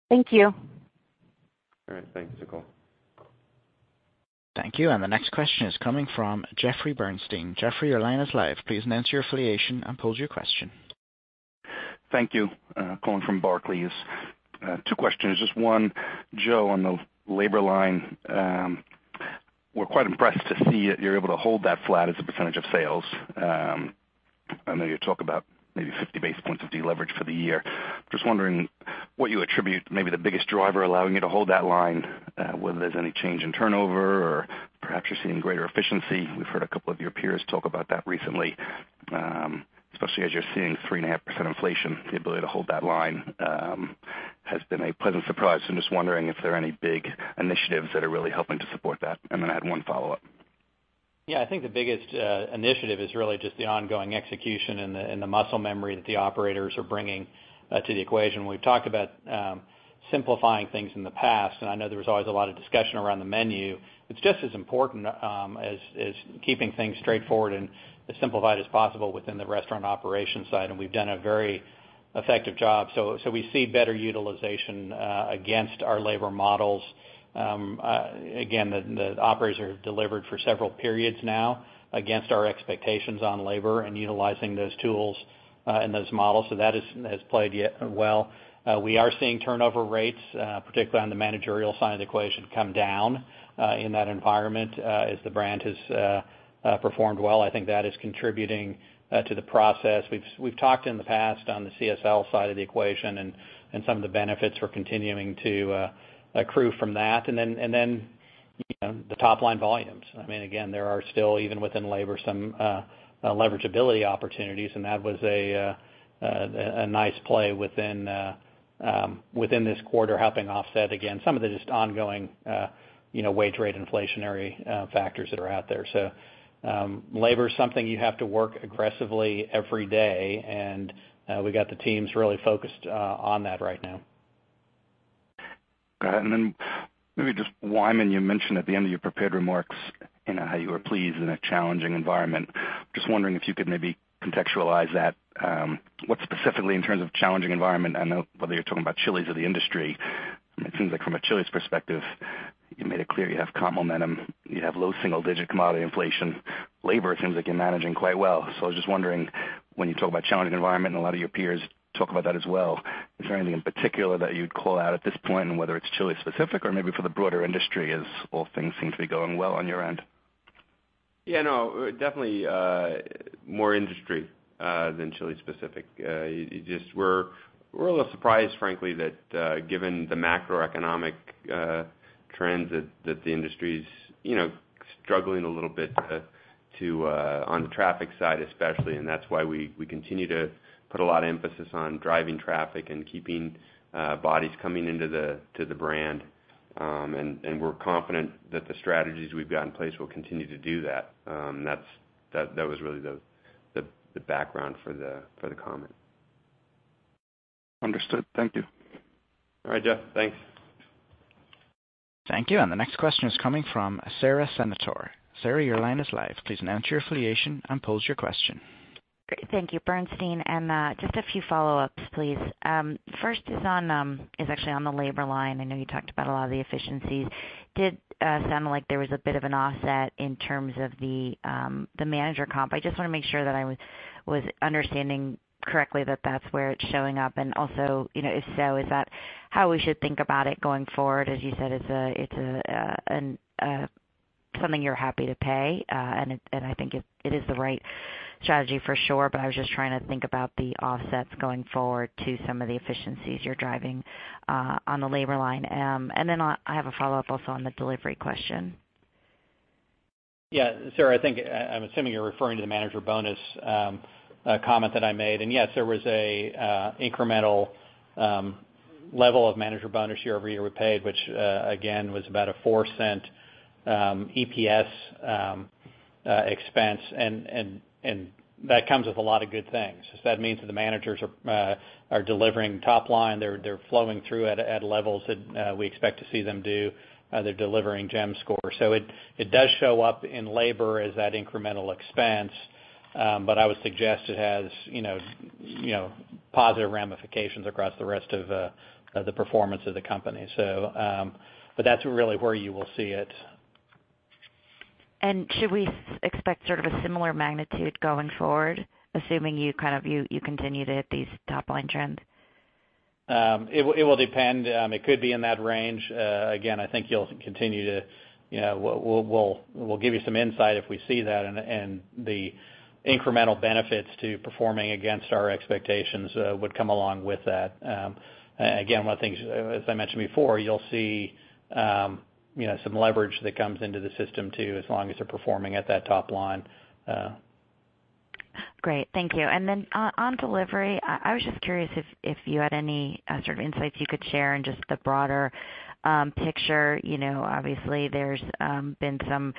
Thank you. All right. Thanks, Nicole. Thank you. The next question is coming from Jeffrey Bernstein. Jeffrey, your line is live. Please state your affiliation and pose your question. Thank you. Calling from Barclays. Two questions. Just one, Joe, on the labor line. We're quite impressed to see that you're able to hold that flat as a percentage of sales. I know you talk about maybe 50 basis points of deleverage for the year. Just wondering what you attribute maybe the biggest driver allowing you to hold that line, whether there's any change in turnover or perhaps you're seeing greater efficiency. We've heard a couple of your peers talk about that recently, especially as you're seeing 3.5% inflation, the ability to hold that line has been a pleasant surprise. I'm just wondering if there are any big initiatives that are really helping to support that. Then I had one follow-up. Yeah, I think the biggest initiative is really just the ongoing execution and the muscle memory that the operators are bringing to the equation. We've talked about simplifying things in the past, and I know there was always a lot of discussion around the menu. It's just as important as keeping things straightforward and as simplified as possible within the restaurant operations side, and we've done a very effective job. We see better utilization against our labor models. Again, the operators have delivered for several periods now against our expectations on labor and utilizing those tools and those models. That has played well. We are seeing turnover rates, particularly on the managerial side of the equation, come down in that environment as the brand has performed well. I think that is contributing to the process. We've talked in the past on the CSL side of the equation and some of the benefits we're continuing to accrue from that. then the top-line volumes. Again, there are still, even within labor, some leveragability opportunities, and that was a nice play within this quarter, helping offset, again, some of the just ongoing wage rate inflationary factors that are out there. labor is something you have to work aggressively every day, and we got the teams really focused on that right now. Got it. Maybe just, Wyman, you mentioned at the end of your prepared remarks how you were pleased in a challenging environment. Just wondering if you could maybe contextualize that. What specifically, in terms of challenging environment, I don't know whether you're talking about Chili's or the industry. It seems like from a Chili's perspective, you made it clear you have comp momentum, you have low single digit commodity inflation Labor it seems like you're managing quite well. I was just wondering, when you talk about challenging environment, and a lot of your peers talk about that as well, is there anything in particular that you'd call out at this point, and whether it's Chili's specific or maybe for the broader industry as all things seem to be going well on your end? Yeah, no. Definitely more industry than Chili's specific. We're a little surprised, frankly, that given the macroeconomic trends that the industry's struggling a little bit on the traffic side especially, and that's why we continue to put a lot of emphasis on driving traffic and keeping bodies coming into the brand. We're confident that the strategies we've got in place will continue to do that. That was really the background for the comment. Understood. Thank you. All right, Jeff. Thanks. Thank you. The next question is coming from Sara Senatore. Sara, your line is live. Please announce your affiliation and pose your question. Great. Thank you. Bernstein. Just a few follow-ups, please. First is actually on the labor line. I know you talked about a lot of the efficiencies. Did sound like there was a bit of an offset in terms of the manager comp. I just want to make sure that I was understanding correctly that that's where it's showing up and also, if so, is that how we should think about it going forward? As you said, it's something you're happy to pay, and I think it is the right strategy for sure, but I was just trying to think about the offsets going forward to some of the efficiencies you're driving on the labor line. I have a follow-up also on the delivery question. Yeah. Sara, I think I'm assuming you're referring to the manager bonus comment that I made. yes, there was a incremental level of manager bonus year-over-year we paid, which, again, was about a 4 cent EPS expense. that comes with a lot of good things because that means that the managers are delivering top line. They're flowing through at levels that we expect to see them do. They're delivering GEM scores. it does show up in labor as that incremental expense. I would suggest it has positive ramifications across the rest of the performance of the company. that's really where you will see it. should we expect sort of a similar magnitude going forward, assuming you continue to hit these top-line trends? It will depend. It could be in that range. Again, I think we'll give you some insight if we see that, and the incremental benefits to performing against our expectations would come along with that. Again, as I mentioned before, you'll see some leverage that comes into the system too, as long as they're performing at that top line. Great. Thank you. On delivery, I was just curious if you had any sort of insights you could share in just the broader picture. Obviously, there's been some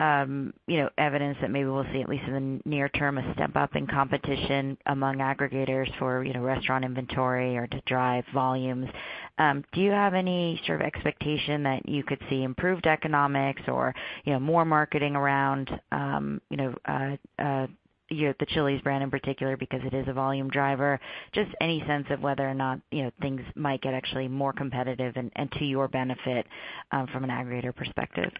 evidence that maybe we'll see at least in the near term, a step up in competition among aggregators for restaurant inventory or to drive volumes. Do you have any sort of expectation that you could see improved economics or more marketing around the Chili's brand in particular because it is a volume driver? Just any sense of whether or not things might get actually more competitive and to your benefit from an aggregator perspective.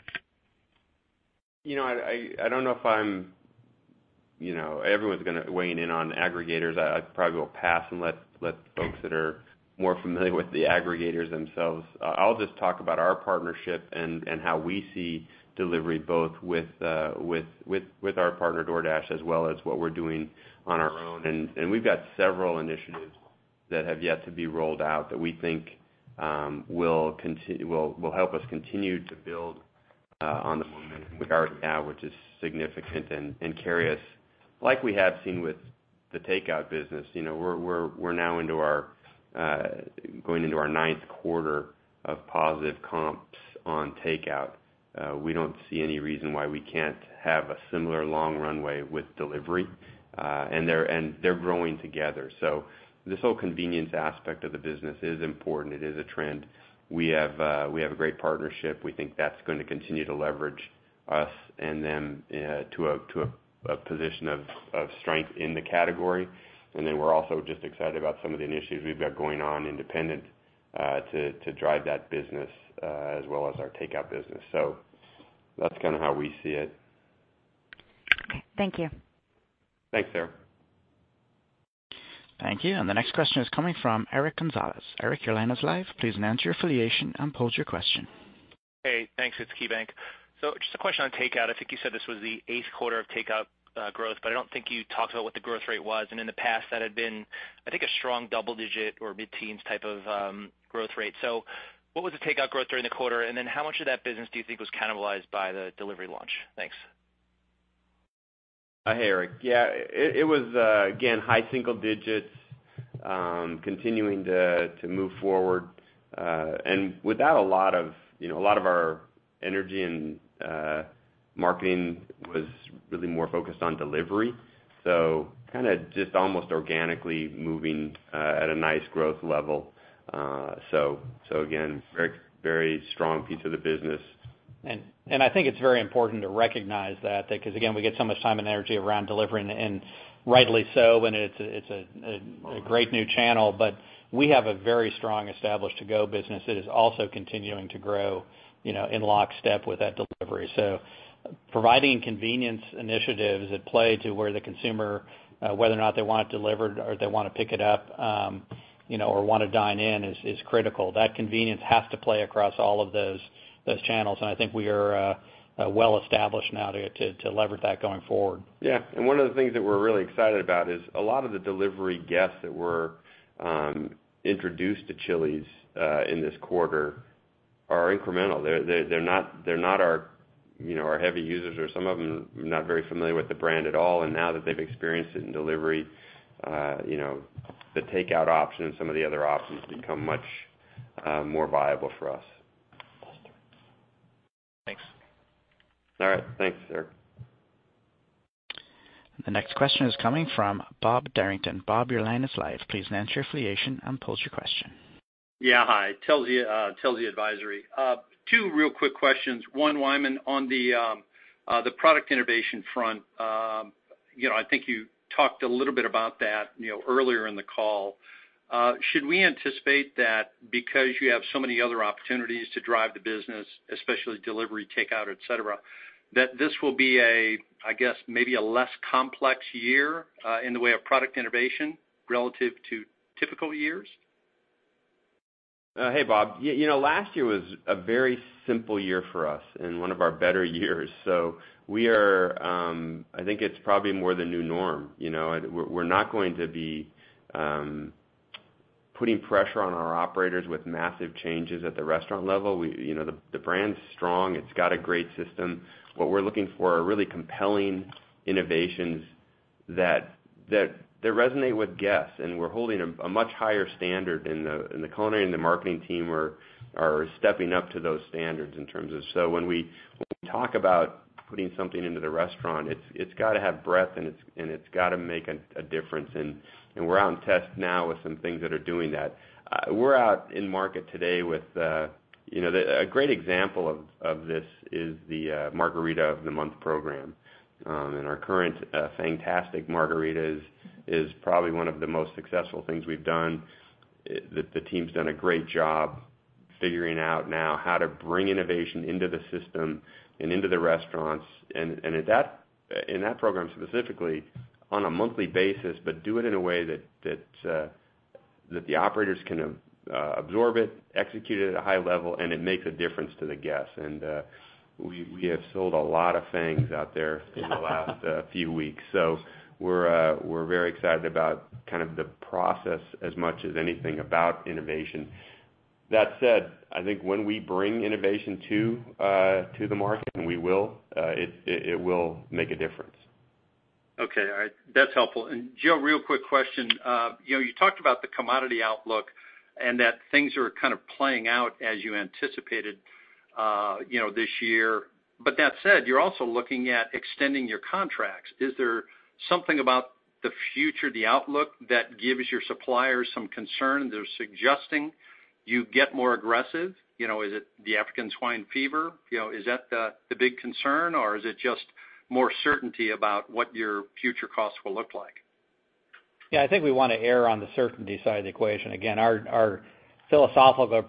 Everyone's going to weigh in on aggregators. I probably will pass and let the folks that are more familiar with the aggregators themselves. I'll just talk about our partnership and how we see delivery both with our partner, DoorDash, as well as what we're doing on our own. We've got several initiatives that have yet to be rolled out that we think will help us continue to build on the momentum we've got right now, which is significant and curious. Like we have seen with the takeout business, we're now going into our ninth quarter of positive comps on takeout. We don't see any reason why we can't have a similar long runway with delivery, and they're growing together. This whole convenience aspect of the business is important. It is a trend. We have a great partnership. We think that's going to continue to leverage us and them to a position of strength in the category. We're also just excited about some of the initiatives we've got going on independent to drive that business as well as our takeout business. That's kind of how we see it. Okay. Thank you. Thanks, Sara. Thank you. The next question is coming from Eric Gonzalez. Eric, your line is live. Please announce your affiliation and pose your question. Hey, thanks. It's KeyBanc. Just a question on takeout. I think you said this was the eighth quarter of takeout growth, but I don't think you talked about what the growth rate was. In the past, that had been, I think, a strong double digit or mid-teens type of growth rate. What was the takeout growth during the quarter, and then how much of that business do you think was cannibalized by the delivery launch? Thanks. Hey, Eric. Yeah. It was, again, high single digits continuing to move forward. A lot of our energy and marketing was really more focused on delivery, so kind of just almost organically moving at a nice growth level. Again, very strong piece of the business. I think it's very important to recognize that because, again, we get so much time and energy around delivery, and rightly so, and it's a great new channel, but we have a very strong established to-go business that is also continuing to grow in lockstep with that delivery. Providing convenience initiatives at play to where the consumer, whether or not they want it delivered or they want to pick it up, or want to dine in, is critical. That convenience has to play across all of those channels, and I think we are well established now to lever that going forward. Yeah. One of the things that we're really excited about is a lot of the delivery guests that were introduced to Chili's in this quarter are incremental. They're not our heavy users, or some of them not very familiar with the brand at all. Now that they've experienced it in delivery, the takeout option and some of the other options become much more viable for us. Thanks. All right. Thanks, sir. The next question is coming from Bob Derrington. Bob, your line is live. Please state your affiliation and pose your question. Yeah. Hi. Telsey Advisory. Two real quick questions. One, Wyman, on the product innovation front, I think you talked a little bit about that earlier in the call. Should we anticipate that because you have so many other opportunities to drive the business, especially delivery, takeout, et cetera, that this will be, I guess, maybe a less complex year in the way of product innovation relative to typical years? Hey, Bob. Last year was a very simple year for us and one of our better years. I think it's probably more the new norm. We're not going to be putting pressure on our operators with massive changes at the restaurant level. The brand's strong. It's got a great system. What we're looking for are really compelling innovations that resonate with guests, and we're holding a much higher standard, and the culinary and the marketing team are stepping up to those standards in terms of. When we talk about putting something into the restaurant, it's got to have breadth, and it's got to make a difference. We're out in test now with some things that are doing that. A great example of this is the Margarita of the Month program. Our current Fangtastic Margarita is probably one of the most successful things we've done. The team's done a great job figuring out now how to bring innovation into the system and into the restaurants. In that program specifically, on a monthly basis, but do it in a way that the operators can absorb it, execute it at a high level, and it makes a difference to the guests. We have sold a lot of Fangs out there in the last few weeks. We're very excited about kind of the process as much as anything about innovation. That said, I think when we bring innovation to the market, and we will, it will make a difference. Okay. All right. That's helpful. Joe, real quick question. You talked about the commodity outlook and that things are kind of playing out as you anticipated this year. That said, you're also looking at extending your contracts. Is there something about the future, the outlook, that gives your suppliers some concern, they're suggesting you get more aggressive? Is it the african swine fever? Is that the big concern, or is it just more certainty about what your future costs will look like? Yeah, I think we want to err on the certainty side of the equation. Again, our philosophical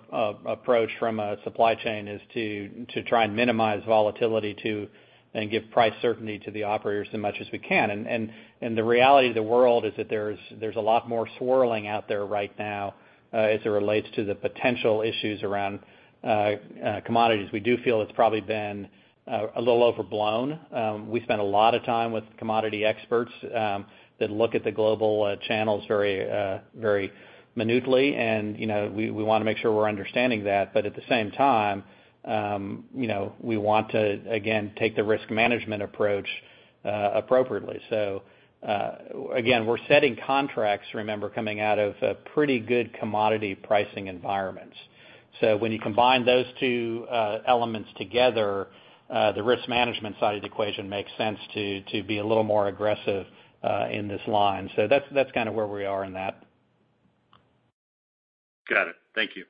approach from a supply chain is to try and minimize volatility to then give price certainty to the operators as much as we can. The reality of the world is that there's a lot more swirling out there right now as it relates to the potential issues around commodities. We do feel it's probably been a little overblown. We spend a lot of time with commodity experts that look at the global channels very minutely, and we want to make sure we're understanding that. At the same time, we want to, again, take the risk management approach appropriately. Again, we're setting contracts, remember, coming out of pretty good commodity pricing environments. when you combine those two elements together, the risk management side of the equation makes sense to be a little more aggressive in this line. That's kind of where we are in that. Got it. Thank you.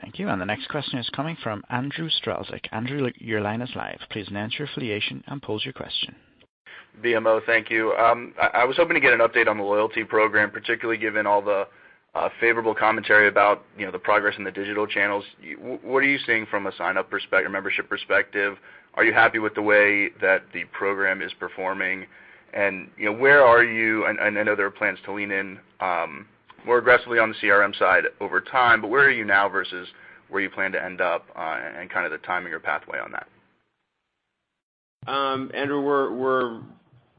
Thank you. The next question is coming from Andrew Strelzik. Andrew, your line is live. Please state your affiliation and pose your question. BMO, thank you. I was hoping to get an update on the loyalty program, particularly given all the favorable commentary about the progress in the digital channels. What are you seeing from a signup perspective or membership perspective? Are you happy with the way that the program is performing? where are you, I know there are plans to lean in more aggressively on the CRM side over time, but where are you now versus where you plan to end up and kind of the timing or pathway on that? Andrew,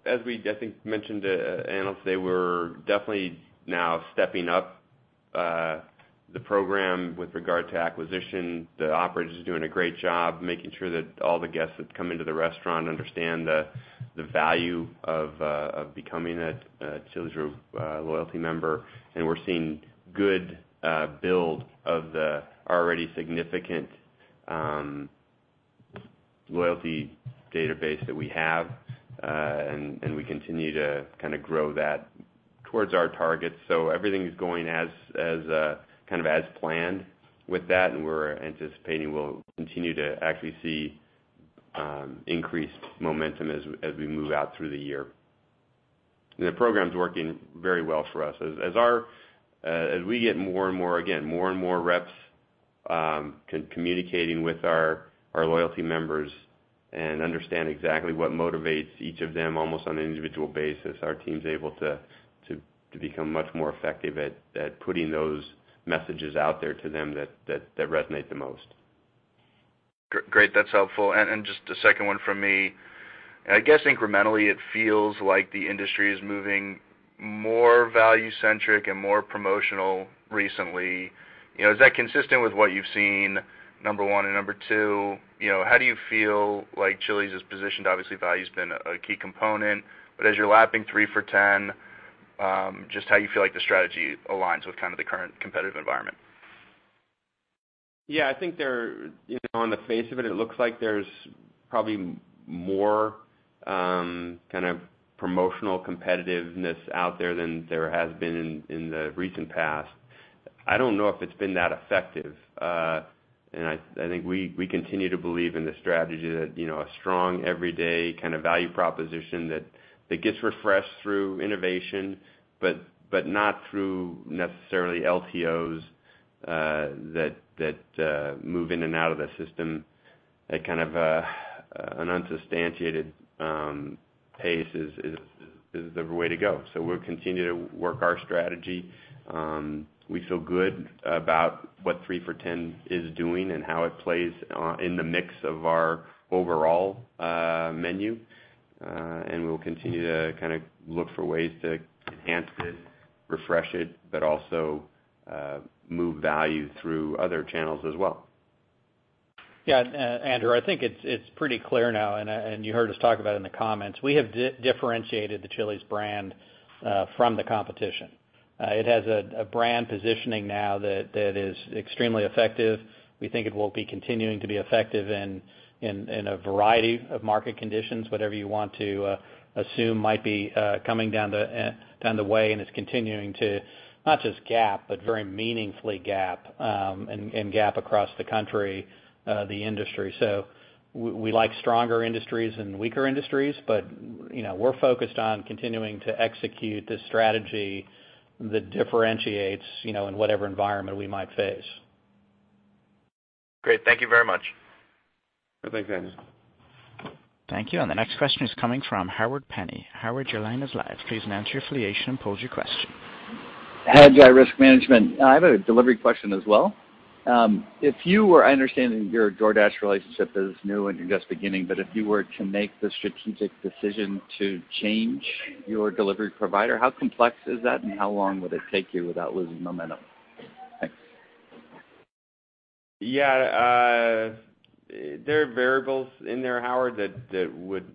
as we, I think, mentioned to analysts today, we're definitely now stepping up the program with regard to acquisition. The operators are doing a great job making sure that all the guests that come into the restaurant understand the value of becoming a Chili's Grill loyalty member. We're seeing good build of the already significant loyalty database that we have. We continue to kind of grow that towards our targets. Everything is going kind of as planned with that, and we're anticipating we'll continue to actually see increased momentum as we move out through the year. The program's working very well for us. As we get, again, more and more reps communicating with our loyalty members and understand exactly what motivates each of them, almost on an individual basis, our team's able to become much more effective at putting those messages out there to them that resonate the most. Great. That's helpful. Just a second one from me. I guess incrementally it feels like the industry is moving more value centric and more promotional recently. Is that consistent with what you've seen, number one? Number two, how do you feel like Chili's is positioned? Obviously, value's been a key component, but as you're lapping three for 10, just how you feel like the strategy aligns with kind of the current competitive environment. Yeah, I think on the face of it looks like there's probably more kind of promotional competitiveness out there than there has been in the recent past. I don't know if it's been that effective. I think we continue to believe in the strategy that a strong everyday kind of value proposition that gets refreshed through innovation, but not through necessarily LTOs that move in and out of the system at kind of an unsubstantiated pace is the way to go. We'll continue to work our strategy. We feel good about what three for 10 is doing and how it plays in the mix of our overall menu. We'll continue to kind of look for ways to enhance it, refresh it, but also move value through other channels as well. Yeah, Andrew, I think it's pretty clear now, and you heard us talk about in the comments, we have differentiated the Chili's brand from the competition. It has a brand positioning now that is extremely effective. We think it will be continuing to be effective in a variety of market conditions, whatever you want to assume might be coming down the way. It's continuing to not just gap, but very meaningfully gap, and gap across the country, the industry. We like stronger industries and weaker industries, but we're focused on continuing to execute this strategy that differentiates in whatever environment we might face. Great. Thank you very much. Thanks, Andrew. Thank you. The next question is coming from Howard Penney. Howard, your line is live. Please state your affiliation and pose your question. Hi, Hedgeye Risk Management. I have a delivery question as well. I understand that your DoorDash relationship is new and you're just beginning, but if you were to make the strategic decision to change your delivery provider, how complex is that and how long would it take you without losing momentum? Thanks. Yeah. There are variables in there, Howard, that would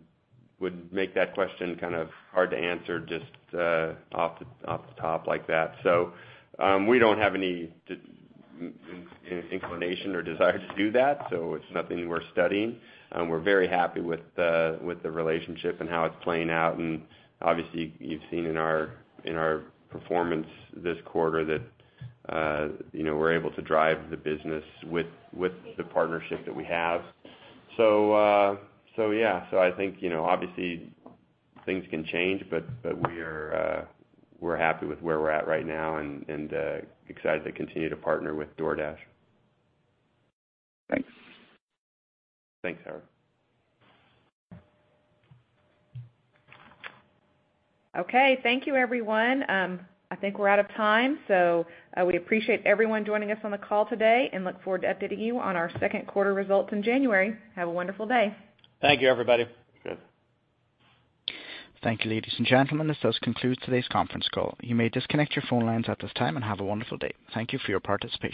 make that question kind of hard to answer just off the top like that. We don't have any inclination or desire to do that, so it's nothing we're studying. We're very happy with the relationship and how it's playing out. Obviously you've seen in our performance this quarter that we're able to drive the business with the partnership that we have. Yeah, so I think obviously things can change, but we're happy with where we're at right now and excited to continue to partner with DoorDash. Thanks. Thanks, Howard. Okay, thank you everyone. I think we're out of time. We appreciate everyone joining us on the call today and look forward to updating you on our second quarter results in January. Have a wonderful day. Thank you everybody. Sure. Thank you, ladies and gentlemen. This does conclude today's conference call. You may disconnect your phone lines at this time and have a wonderful day. Thank you for your participation.